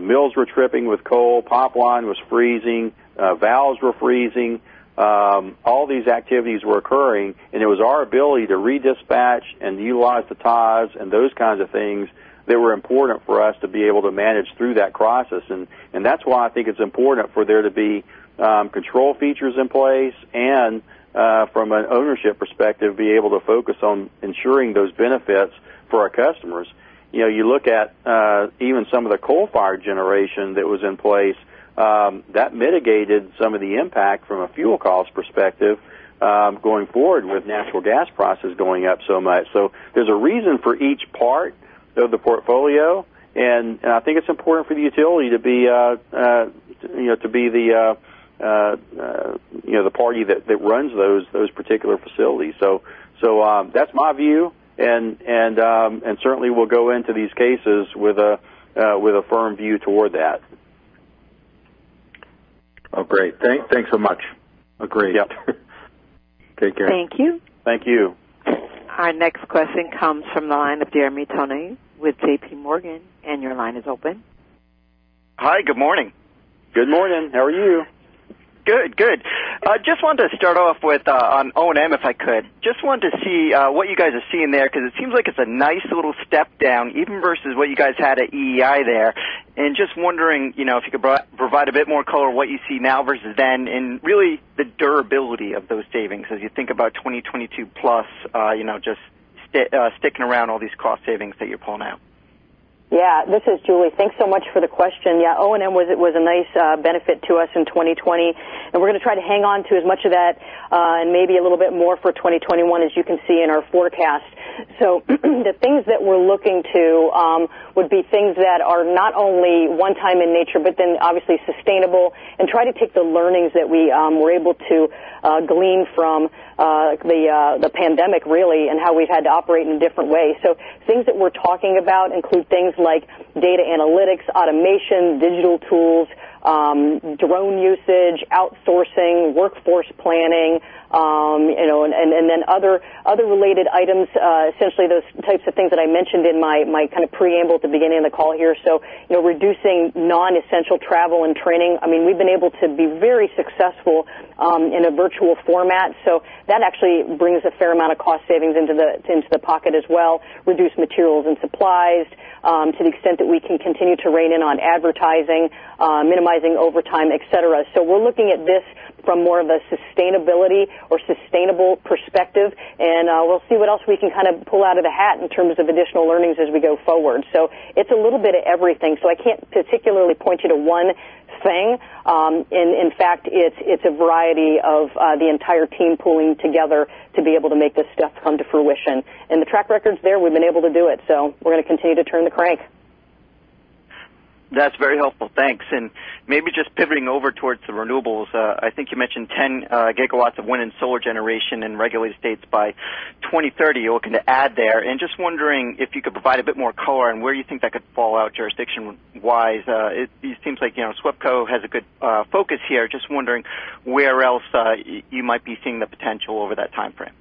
Mills were tripping with coal, power line was freezing, valves were freezing. All these activities were occurring, and it was our ability to redispatch and utilize the ties and those kinds of things that were important for us to be able to manage through that crisis. That's why I think it's important for there to be control features in place and, from an ownership perspective, be able to focus on ensuring those benefits for our customers. You look at even some of the coal-fired generation that was in place, that mitigated some of the impact from a fuel cost perspective going forward with natural gas prices going up so much. There's a reason for each part of the portfolio, and I think it's important for the utility to be the party that runs those particular facilities. That's my view, and certainly we'll go into these cases with a firm view toward that. Oh, great. Thanks so much. Agree. Take care. Thank you. Thank you. Our next question comes from the line of Jeremy Tonet with JPMorgan, and your line is open. Hi, good morning. Good morning. How are you? Good. Just wanted to start off with on O&M, if I could. Just wanted to see what you guys are seeing there, because it seems like it's a nice little step down even versus what you guys had at EEI there. Just wondering if you could provide a bit more color on what you see now versus then, and really the durability of those savings as you think about 2022 plus, just sticking around all these cost savings that you're pulling out. This is Julie. Thanks so much for the question. O&M was a nice benefit to us in 2020, we're going to try to hang on to as much of that, and maybe a little bit more for 2021, as you can see in our forecast. The things that we're looking to would be things that are not only one-time in nature, obviously sustainable, and try to take the learnings that we were able to glean from the pandemic, really, and how we've had to operate in different ways. Things that we're talking about include things like data analytics, automation, digital tools, drone usage, outsourcing, workforce planning, other related items. Essentially, those types of things that I mentioned in my preamble at the beginning of the call here. Reducing non-essential travel and training. We've been able to be very successful in a virtual format. That actually brings a fair amount of cost savings into the pocket as well. Reduce materials and supplies to the extent that we can continue to rein in on advertising, minimizing overtime, et cetera. We're looking at this from more of a sustainability or sustainable perspective, and we'll see what else we can pull out of the hat in terms of additional learnings as we go forward. It's a little bit of everything. I can't particularly point you to one thing. In fact, it's a variety of the entire team pulling together to be able to make this stuff come to fruition. The track record's there. We've been able to do it. We're going to continue to turn the crank. That's very helpful. Thanks. Maybe just pivoting over towards the renewables. I think you mentioned 10 GW of wind and solar generation in regulated states by 2030 you're looking to add there. Just wondering if you could provide a bit more color on where you think that could fall out jurisdiction-wise. It seems like SWEPCO has a good focus here. Just wondering where else you might be seeing the potential over that timeframe.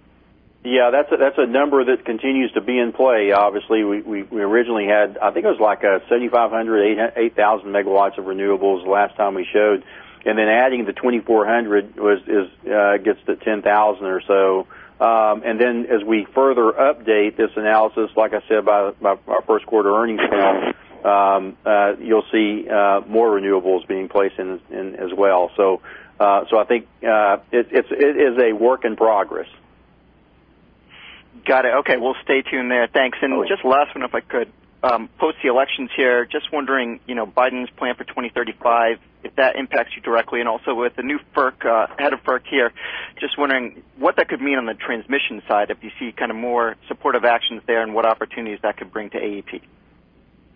Yeah, that's a number that continues to be in play. Obviously, we originally had, I think it was like 7,500 MW, 8,000 MW of renewables the last time we showed. Adding the 2,400 MW gets to 10,000 MW or so. As we further update this analysis, like I said, by our first quarter earnings call, you'll see more renewables being placed in as well. I think it is a work in progress. Got it. Okay. We'll stay tuned there. Thanks. Okay. Just last one, if I could. Post the elections here, just wondering, Biden's plan for 2035, if that impacts you directly. Also with the new head of FERC here. Just wondering what that could mean on the transmission side, if you see more supportive actions there, and what opportunities that could bring to AEP.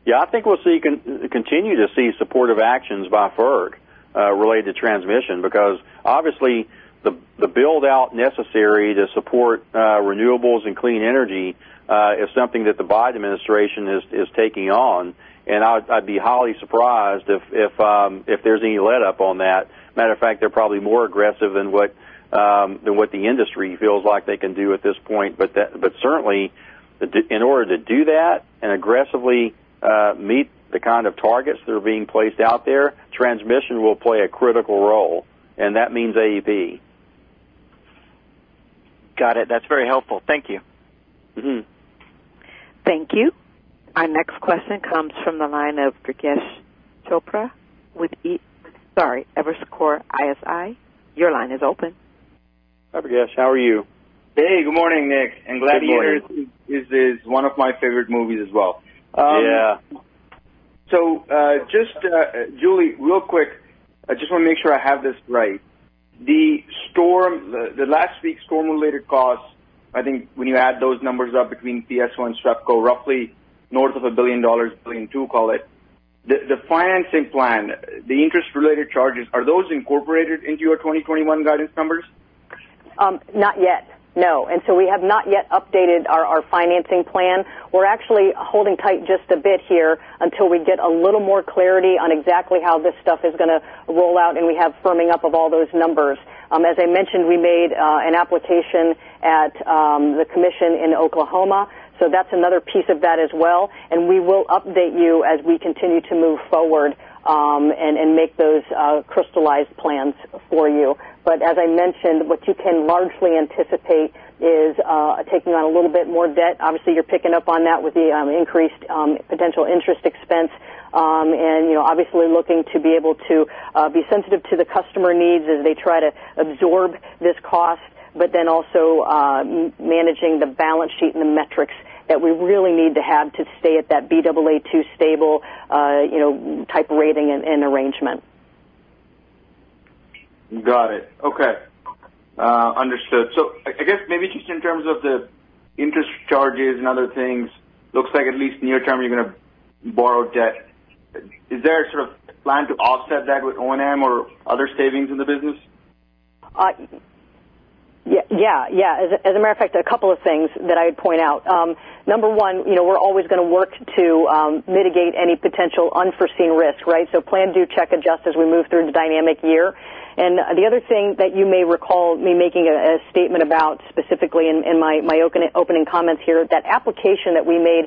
Yeah. I think we'll continue to see supportive actions by FERC related to transmission, because obviously the build-out necessary to support renewables and clean energy is something that the Biden administration is taking on. I'd be highly surprised if there's any letup on that. Matter of fact, they're probably more aggressive than what the industry feels like they can do at this point. Certainly, in order to do that and aggressively meet the kind of targets that are being placed out there, transmission will play a critical role, and that means AEP. Got it. That's very helpful. Thank you. Thank you. Our next question comes from the line of Durgesh Chopra with Evercore ISI. Your line is open. Hi, Durgesh. How are you? Hey, good morning, Nick. Good morning. This is one of my favorite movies as well. Yeah. Julie, real quick, I just want to make sure I have this right. The last week's storm-related costs, I think when you add those numbers up between PSO and SWEPCO, roughly north of a billion dollar, $1.2 call it. The financing plan, the interest-related charges, are those incorporated into your 2021 guidance numbers? Not yet, no. We have not yet updated our financing plan. We're actually holding tight just a bit here until we get a little more clarity on exactly how this stuff is going to roll out, and we have firming up of all those numbers. As I mentioned, we made an application at the commission in Oklahoma, so that's another piece of that as well. We will update you as we continue to move forward and make those crystallized plans for you. As I mentioned, what you can largely anticipate is taking on a little bit more debt. Obviously, you're picking up on that with the increased potential interest expense. Obviously looking to be able to be sensitive to the customer needs as they try to absorb this cost, also managing the balance sheet and the metrics that we really need to have to stay at that Baa2 stable type rating and arrangement. Got it. Okay. Understood. I guess maybe just in terms of the interest charges and other things, looks like at least near term, you're going to borrow debt. Is there a plan to offset that with O&M or other savings in the business? Yeah. As a matter of fact, a couple of things that I'd point out. Number one, we're always going to work to mitigate any potential unforeseen risk, right? Plan-do-check-adjust as we move through the dynamic year. The other thing that you may recall me making a statement about specifically in my opening comments here, that application that we made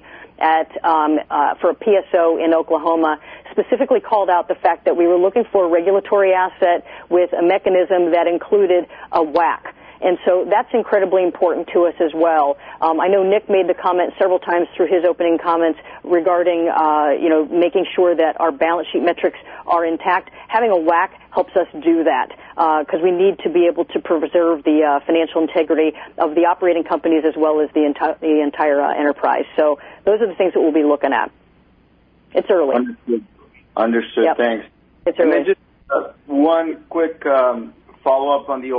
for PSO in Oklahoma specifically called out the fact that we were looking for a regulatory asset with a mechanism that included a WACC. That's incredibly important to us as well. I know Nick made the comment several times through his opening comments regarding making sure that our balance sheet metrics are intact. Having a WACC helps us do that, because we need to be able to preserve the financial integrity of the operating companies as well as the entire enterprise. Those are the things that we'll be looking at. It's early. Understood. Yep. Thanks. It's early. Just one quick follow-up on the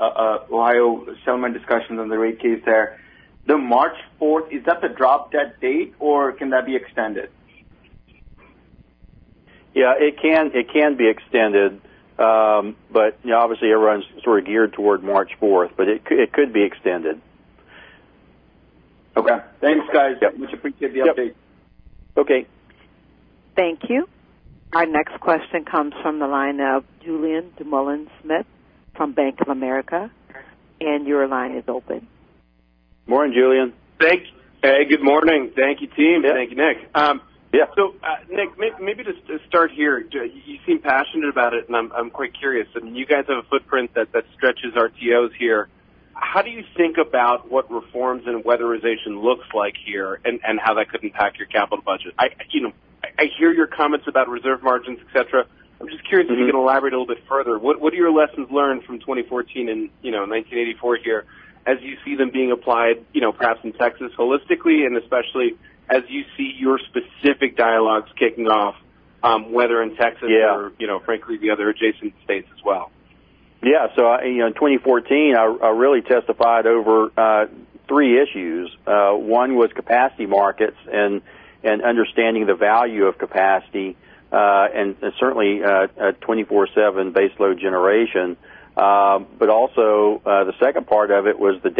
Ohio settlement discussions on the rate case there. The March 4th, is that the drop-dead date, or can that be extended? Yeah, it can be extended. Obviously everyone's sort of geared toward March 4th, but it could be extended. Okay. Thanks, guys. Yep. Much appreciate the update. Yep. Okay. Thank you. Our next question comes from the line of Julien Dumoulin-Smith from Bank of America, and your line is open. Morning, Julien. Hey, good morning. Thank you, team. Yep. Thank you, Nick. Yeah. Nick, maybe just to start here. You seem passionate about it, and I'm quite curious. You guys have a footprint that stretches RTOs here. How do you think about what reforms and weatherization looks like here, and how that could impact your capital budget? I hear your comments about reserve margins, et cetera. I'm just curious if you can elaborate a little bit further. What are your lessons learned from 2014 and 1984 here as you see them being applied, perhaps in Texas holistically, and especially as you see your specific dialogues kicking off, whether in Texas? Yeah Frankly, the other adjacent states as well? Yeah. In 2014, I really testified over three issues. One was capacity markets and understanding the value of capacity, and certainly 24/7 base load generation. The second part of it was at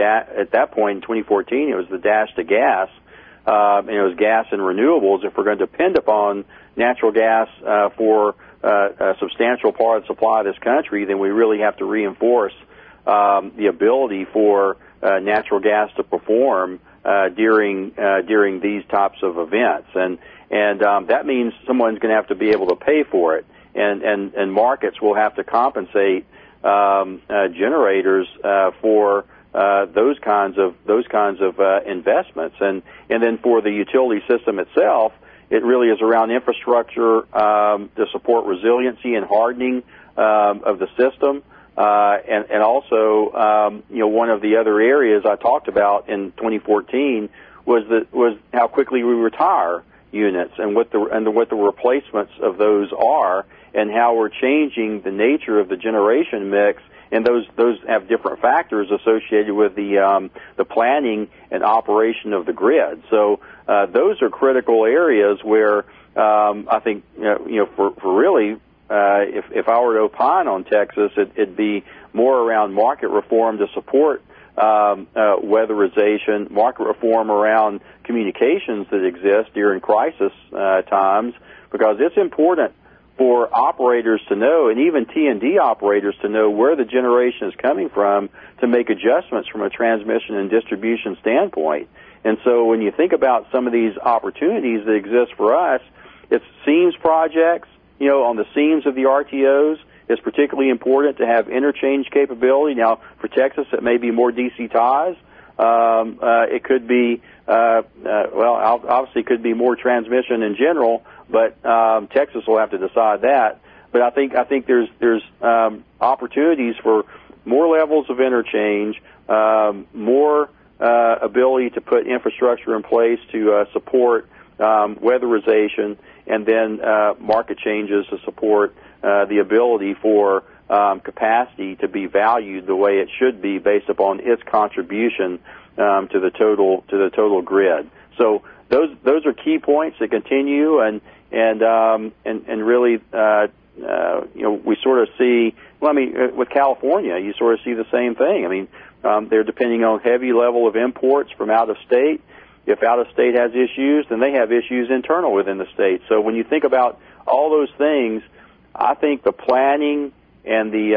that point in 2014, it was the dash to gas. It was gas and renewables. If we're going to depend upon natural gas for a substantial part, supply this country, then we really have to reinforce the ability for natural gas to perform during these types of events. That means someone's going to have to be able to pay for it, and markets will have to compensate generators for those kinds of investments. For the utility system itself, it really is around infrastructure to support resiliency and hardening of the system. One of the other areas I talked about in 2014 was how quickly we retire units and what the replacements of those are, and how we're changing the nature of the generation mix. Those have different factors associated with the planning and operation of the grid. Those are critical areas where, I think, if I were to opine on Texas, it'd be more around market reform to support weatherization, market reform around communications that exist during crisis times. It's important for operators to know, and even T&D operators to know, where the generation is coming from to make adjustments from a transmission and distribution standpoint. When you think about some of these opportunities that exist for us, it's seams projects on the seams of the RTOs. It's particularly important to have interchange capability. Now, for Texas, it may be more DC ties. It could be more transmission in general, but Texas will have to decide that. I think there's opportunities for more levels of interchange, more ability to put infrastructure in place to support weatherization, and then market changes to support the ability for capacity to be valued the way it should be based upon its contribution to the total grid. Those are key points that continue. With California, you sort of see the same thing. They're depending on heavy level of imports from out of state. If out of state has issues, then they have issues internal within the state. When you think about all those things, I think the planning and the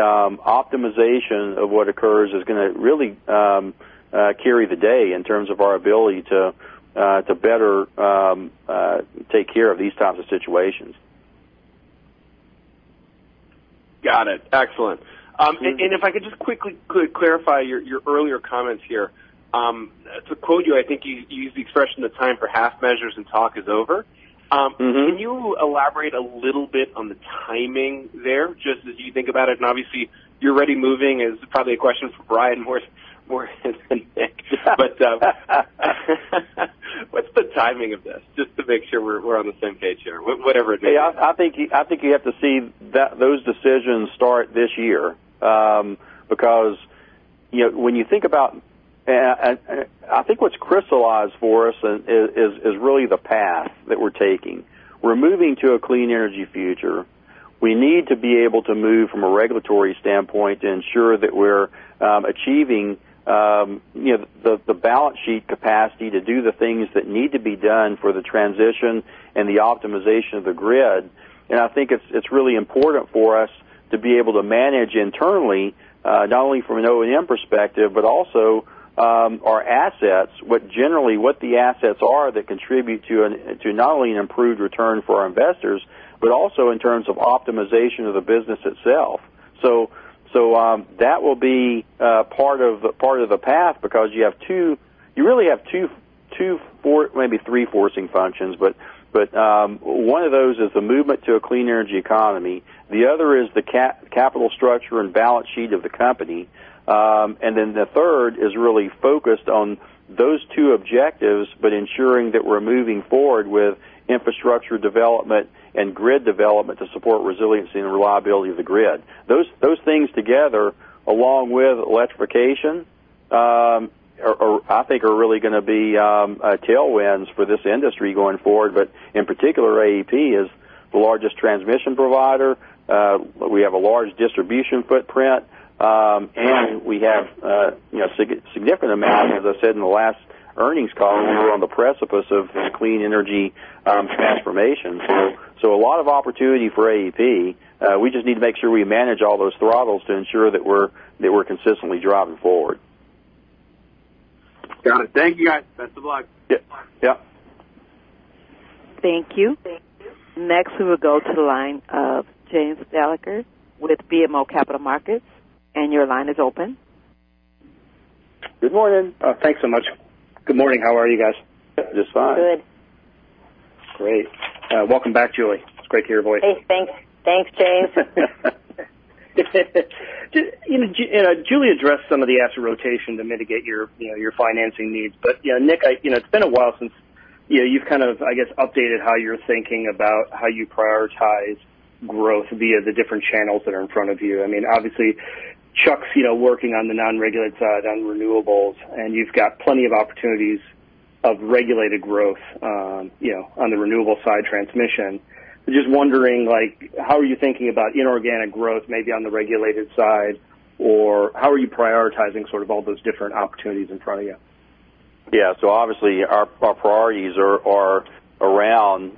optimization of what occurs is going to really carry the day in terms of our ability to better take care of these types of situations. Got it. Excellent. If I could just quickly clarify your earlier comments here. To quote you, I think you used the expression, "The time for half measures and talk is over. Can you elaborate a little bit on the timing there, just as you think about it? Obviously, you're already moving. It's probably a question for Brian more than Nick. What's the timing of this? Just to make sure we're on the same page here, whatever it may be. Yeah. I think you have to see those decisions start this year. I think what's crystallized for us is really the path that we're taking. We're moving to a clean energy future. We need to be able to move from a regulatory standpoint to ensure that we're achieving the balance sheet capacity to do the things that need to be done for the transition and the optimization of the grid. I think it's really important for us to be able to manage internally, not only from an O&M perspective, but also our assets, generally what the assets are that contribute to not only an improved return for our investors, but also in terms of optimization of the business itself. That will be part of the path because you really have two, maybe three forcing functions. One of those is the movement to a clean energy economy. The other is the capital structure and balance sheet of the company. The third is really focused on those two objectives, but ensuring that we're moving forward with infrastructure development and grid development to support resiliency and reliability of the grid. Those things together, along with electrification, I think are really going to be tailwinds for this industry going forward. In particular, AEP is the largest transmission provider. We have a large distribution footprint. We have significant amount, as I said in the last earnings call, we were on the precipice of clean energy transformation. A lot of opportunity for AEP. We just need to make sure we manage all those throttles to ensure that we're consistently driving forward. Got it. Thank you, guys. Best of luck. Yep. Thank you. Next, we will go to the line of James Thalacker with BMO Capital Markets. Your line is open. Good morning. Thanks so much. Good morning. How are you guys? Just fine. Good. Great. Welcome back, Julie. It's great to hear your voice. Thanks, James. Julie addressed some of the asset rotation to mitigate your financing needs. Nick, it's been a while since you've, I guess, updated how you're thinking about how you prioritize growth via the different channels that are in front of you. Obviously, Chuck's working on the non-regulated side on renewables, and you've got plenty of opportunities of regulated growth on the renewable side transmission. Just wondering, how are you thinking about inorganic growth, maybe on the regulated side? How are you prioritizing all those different opportunities in front of you? Yeah. Obviously, our priorities are around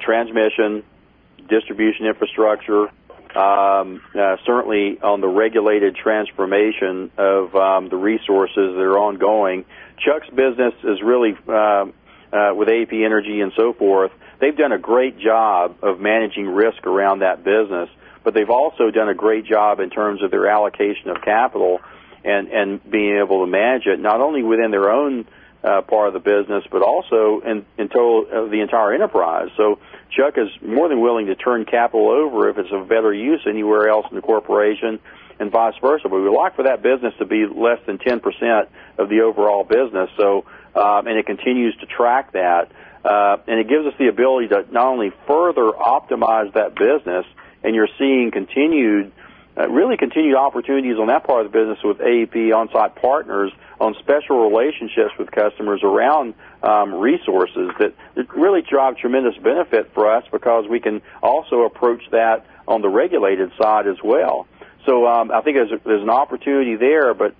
transmission, distribution infrastructure. Certainly, on the regulated transformation of the resources that are ongoing. Chuck's business with AEP Energy and so forth, they've done a great job of managing risk around that business. They've also done a great job in terms of their allocation of capital and being able to manage it, not only within their own part of the business, but also in total of the entire enterprise. Chuck is more than willing to turn capital over if it's of better use anywhere else in the corporation, and vice versa. We would like for that business to be less than 10% of the overall business. It continues to track that. It gives us the ability to not only further optimize that business, and you're seeing really continued opportunities on that part of the business with AEP OnSite Partners on special relationships with customers around resources that really drive tremendous benefit for us because we can also approach that on the regulated side as well. I think there's an opportunity there, but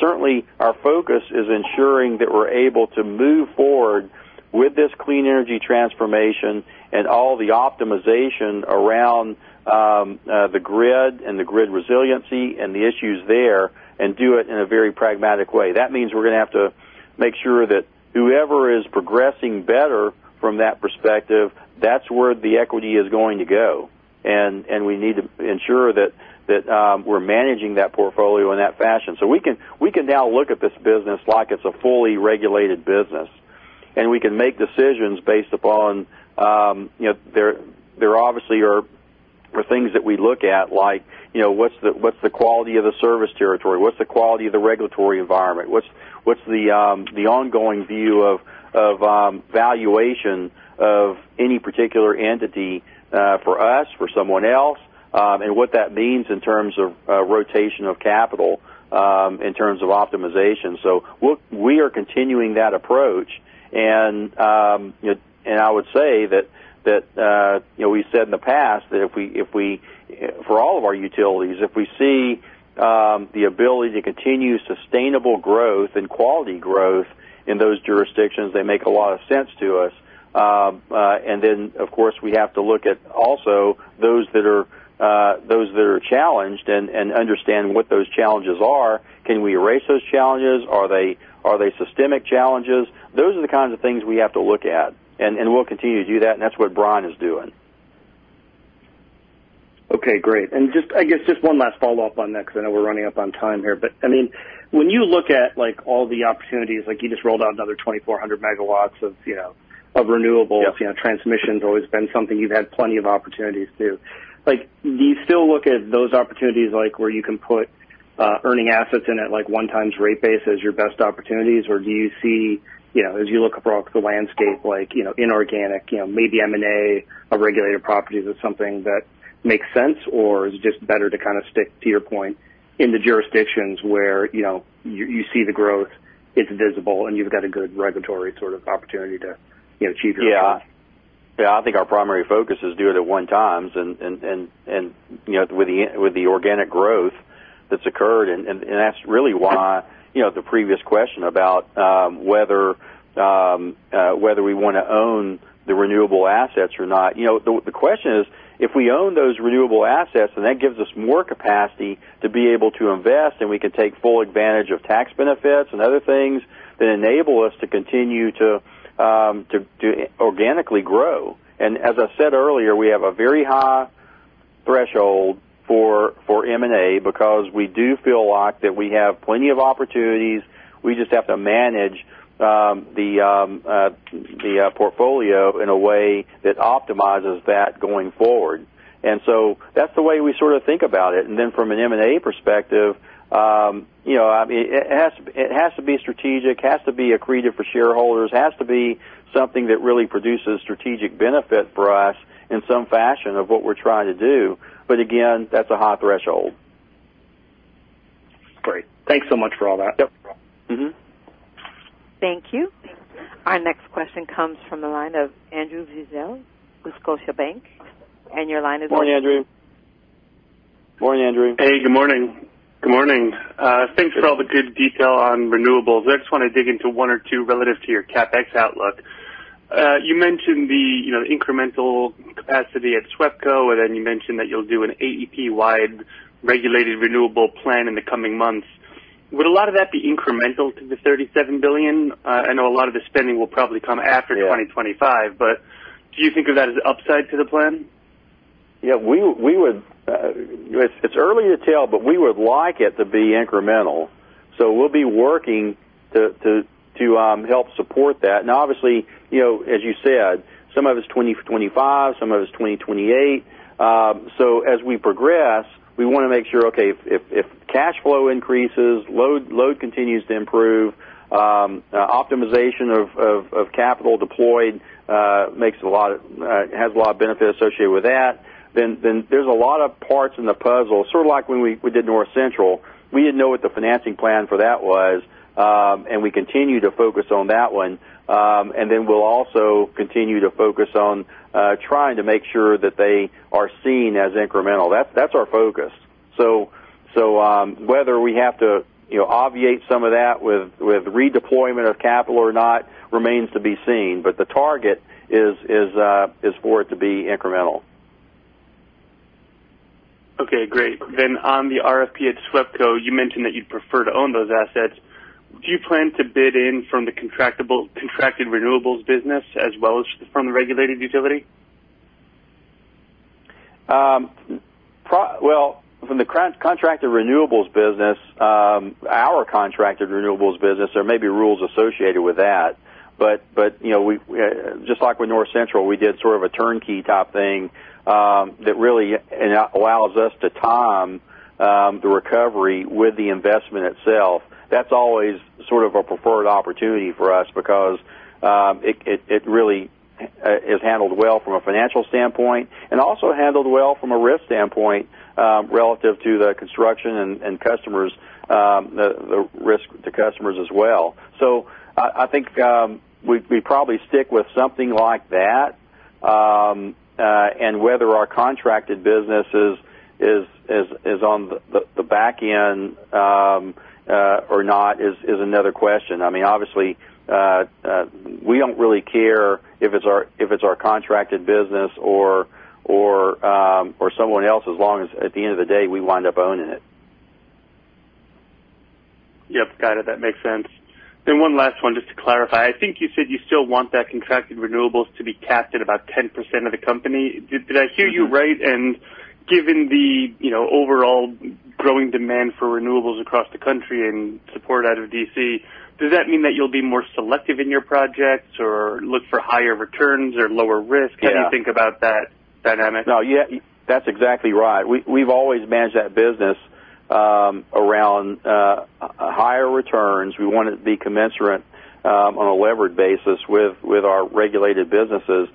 certainly our focus is ensuring that we're able to move forward with this clean energy transformation and all the optimization around the grid and the grid resiliency and the issues there, and do it in a very pragmatic way. That means we're going to have to make sure that whoever is progressing better from that perspective, that's where the equity is going to go. We need to ensure that we're managing that portfolio in that fashion. We can now look at this business like it's a fully regulated business. We can make decisions. There obviously are things that we look at like, what's the quality of the service territory? What's the quality of the regulatory environment? What's the ongoing view of valuation of any particular entity for us, for someone else? What that means in terms of rotation of capital, in terms of optimization. We are continuing that approach. I would say that we've said in the past that for all of our utilities, if we see the ability to continue sustainable growth and quality growth in those jurisdictions, they make a lot of sense to us. Then, of course, we have to look at also those that are challenged and understand what those challenges are. Can we erase those challenges? Are they systemic challenges? Those are the kinds of things we have to look at, and we'll continue to do that, and that's what Brian is doing. Okay, great. I guess just one last follow-up on that because I know we're running up on time here. When you look at all the opportunities, like you just rolled out another 2,400 MW of renewables. Yep. Transmission's always been something you've had plenty of opportunities to. Do you still look at those opportunities like where you can put earning assets in at 1x rate base as your best opportunities? Or do you see, as you look across the landscape, inorganic, maybe M&A of regulated properties as something that makes sense? Or is it just better to stick to your point in the jurisdictions where you see the growth, it's visible, and you've got a good regulatory sort of opportunity to achieve your goals? I think our primary focus is do it at one times with the organic growth that's occurred. That's really why the previous question about whether we want to own the renewable assets or not. The question is, if we own those renewable assets, that gives us more capacity to be able to invest, we can take full advantage of tax benefits and other things that enable us to continue to organically grow. As I said earlier, we have a very high threshold for M&A because we do feel like that we have plenty of opportunities. We just have to manage the portfolio in a way that optimizes that going forward. That's the way we think about it. From an M&A perspective, it has to be strategic, it has to be accretive for shareholders. It has to be something that really produces strategic benefit for us in some fashion of what we're trying to do. Again, that's a high threshold. Great. Thanks so much for all that. Yep. Thank you. Our next question comes from the line of Andrew Weisel with Scotiabank. Your line is open. Morning, Andrew. Hey, good morning. Thanks for all the good detail on renewables. I just want to dig into one or two relative to your CapEx outlook. You mentioned the incremental capacity at SWEPCO, and then you mentioned that you'll do an AEP-wide regulated renewable plan in the coming months. Would a lot of that be incremental to the $37 billion? I know a lot of the spending will probably come after 2025, do you think of that as upside to the plan? It's early to tell, but we would like it to be incremental. We'll be working to help support that. Obviously, as you said, some of it's 2025, some of it's 2028. As we progress, we want to make sure, okay, if cash flow increases, load continues to improve, optimization of capital deployed has a lot of benefits associated with that. There's a lot of parts in the puzzle. Sort of like when we did North Central, we didn't know what the financing plan for that was. We continue to focus on that one. We'll also continue to focus on trying to make sure that they are seen as incremental. That's our focus. Whether we have to obviate some of that with the redeployment of capital or not remains to be seen, but the target is for it to be incremental. Okay, great. On the RFP at SWEPCO, you mentioned that you prefer to own those assets. Do you plan to bid in from the contracted renewables business as well as from the regulated utility? Well, from the contracted renewables business, there may be rules associated with that. Just like with North Central, we did sort of a turnkey type thing that really allows us to time the recovery with the investment itself. That's always sort of a preferred opportunity for us because it really is handled well from a financial standpoint and also handled well from a risk standpoint relative to the construction and customers, the risk to customers as well. I think we'd probably stick with something like that. Whether our contracted business is on the back end or not is another question. I mean, obviously, we don't really care if it's our contracted business or someone else, as long as at the end of the day, we wind up owning it. Yep, got it. That makes sense. One last one, just to clarify. I think you said you still want that contracted renewables to be capped at about 10% of the company. Did I hear you right? Given the overall growing demand for renewables across the country and support out of D.C., does that mean that you'll be more selective in your projects or look for higher returns or lower risk? Yeah. How do you think about that dynamic? No, that's exactly right. We've always managed that business around higher returns. We want to be commensurate on a levered basis with our regulated businesses.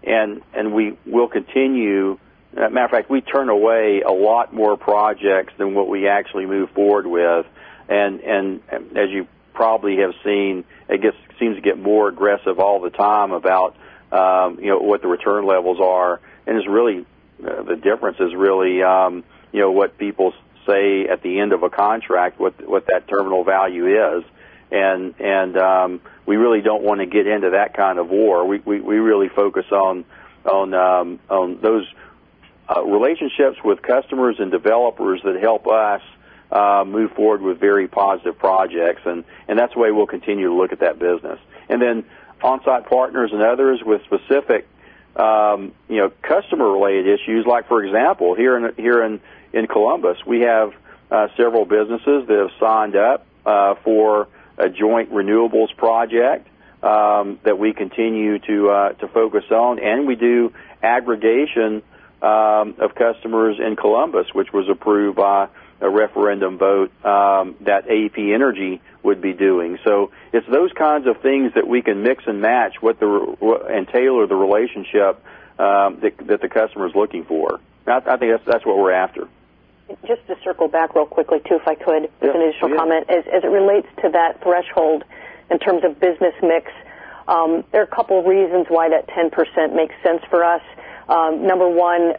We will continue. Matter of fact, we turn away a lot more projects than what we actually move forward with. As you probably have seen, it just seems to get more aggressive all the time about what the return levels are. The difference is really what people say at the end of a contract, what that terminal value is. We really don't want to get into that kind of war. We really focus on those relationships with customers and developers that help us move forward with very positive projects. That's the way we'll continue to look at that business. OnSite Partners and others with specific customer-related issues. Like, for example, here in Columbus, we have several businesses that have signed up for a joint renewables project that we continue to focus on. We do aggregation of customers in Columbus, which was approved by a referendum vote that AEP Energy would be doing. It's those kinds of things that we can mix and match and tailor the relationship that the customer is looking for. I think that's what we're after. Just to circle back real quickly, too, if I could. As an initial comment. As it relates to that threshold in terms of business mix, there are a couple of reasons why that 10% makes sense for us, number one,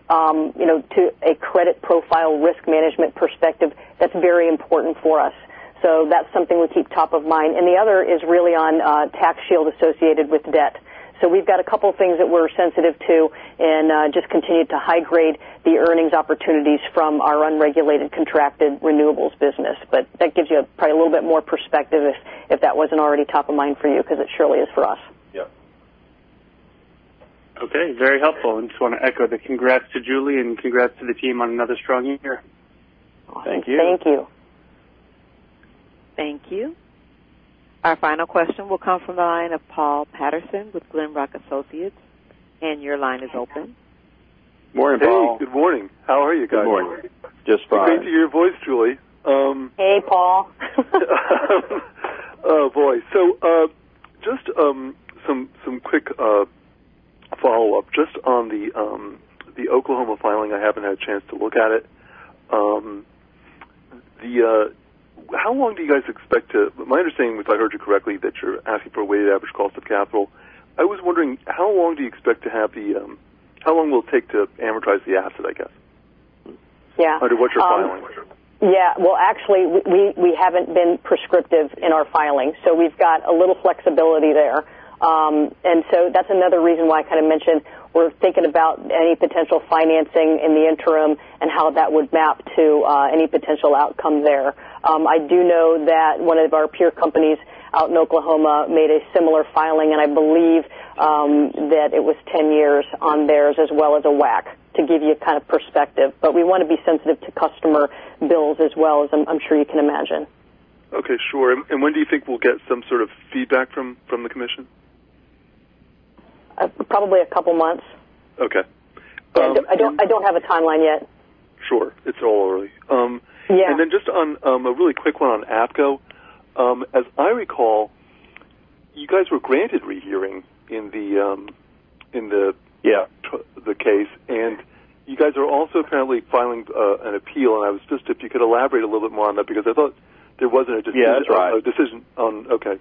to a credit profile risk management perspective, that's very important for us. That's something we keep top of mind. The other is really on tax shield associated with debt. We've got a couple of things that we're sensitive to and just continue to high-grade the earnings opportunities from our unregulated contracted renewables business. That gives you probably a little bit more perspective, if that wasn't already top of mind for you, because it surely is for us. Okay. Very helpful. Just want to echo the congrats to Julie and congrats to the team on another strong year. Awesome. Thank you. Thank you. Thank you. Our final question will come from the line of Paul Patterson with Glenrock Associates. Your line is open. Morning, Paul. Hey, good morning. How are you guys? Good morning. Just fine. Strange to hear your voice, Julie. Hey, Paul. Just some quick follow-up on the Oklahoma filing. I haven't had a chance to look at it. My understanding was I heard you correctly that you're asking for a Weighted Average Cost of Capital. I was wondering, how long will it take to amortize the asset, I guess? Yeah. Under what you're filing for. Yeah. Well, actually, we haven't been prescriptive in our filing, we've got a little flexibility there. That's another reason why I mentioned we're thinking about any potential financing in the interim and how that would map to any potential outcome there. I do know that one of our peer companies out in Oklahoma made a similar filing, I believe that it was 10 years on theirs as well as a WACC to give you a kind of perspective. We want to be sensitive to customer bills as well, as I'm sure you can imagine. Okay, sure. When do you think we'll get some sort of feedback from the commission? Probably a couple of months. Okay. I don't have a timeline yet. Sure. It's all early. Yeah. Just a really quick one on APCO. As I recall, you guys were granted rehearing in the case. You guys are also apparently filing an appeal. I was just if you could elaborate a little bit more on that. There was a decision. Yeah, that's right. On, okay.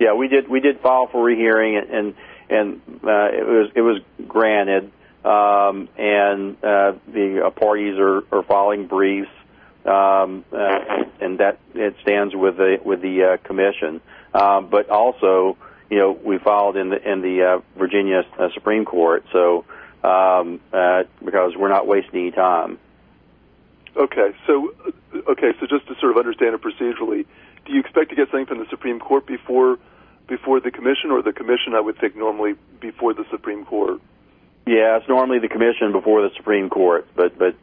We did file for rehearing, and it was granted. The parties are filing briefs. That it stands with the commission. Also, we filed in the Supreme Court of Virginia, because we're not wasting time. Just to sort of understand it procedurally, do you expect to get something from the Supreme Court before the commission, or the commission, I would think normally before the Supreme Court? Yeah. It's normally the commission before the Supreme Court.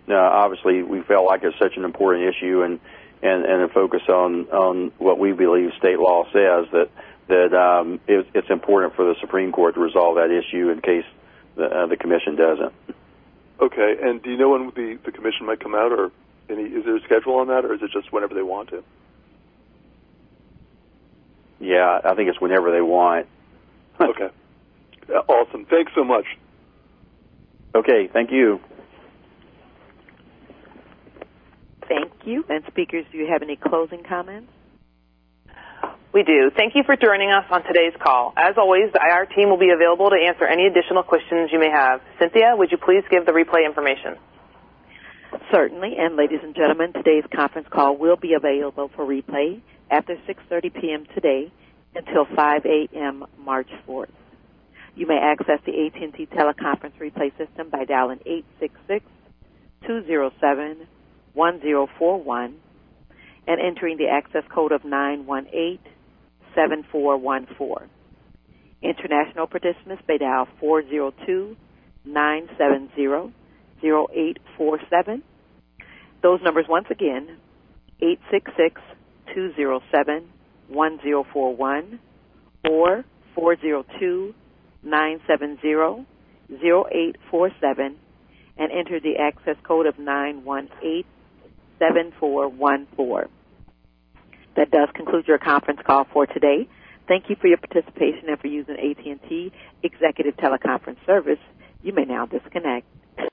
Obviously, we felt like it's such an important issue and a focus on what we believe state law says, that it's important for the Supreme Court to resolve that issue in case the commission doesn't. Okay. Do you know when the commission might come out? Is there a schedule on that, or is it just whenever they want to? Yeah, I think it's whenever they want. Okay. Awesome. Thanks so much. Okay. Thank you. Thank you. Speakers, do you have any closing comments? We do. Thank you for joining us on today's call. As always, our team will be available to answer any additional questions you may have. Cynthia, would you please give the replay information? Certainly. Ladies and gentlemen, today's conference call will be available for replay after 6:30 P.M. today until 5:00 A.M. March 4th. You may access the AT&T Teleconference Replay System by dialing 866-207-1041 and entering the access code of 9187414. International participants may dial 402-970-0847. Those numbers once again, 866-207-1041 or 402-970-0847, and enter the access code of 9187414. That does conclude your conference call for today. Thank you for your participation and for using AT&T Executive Teleconference Service. You may now disconnect.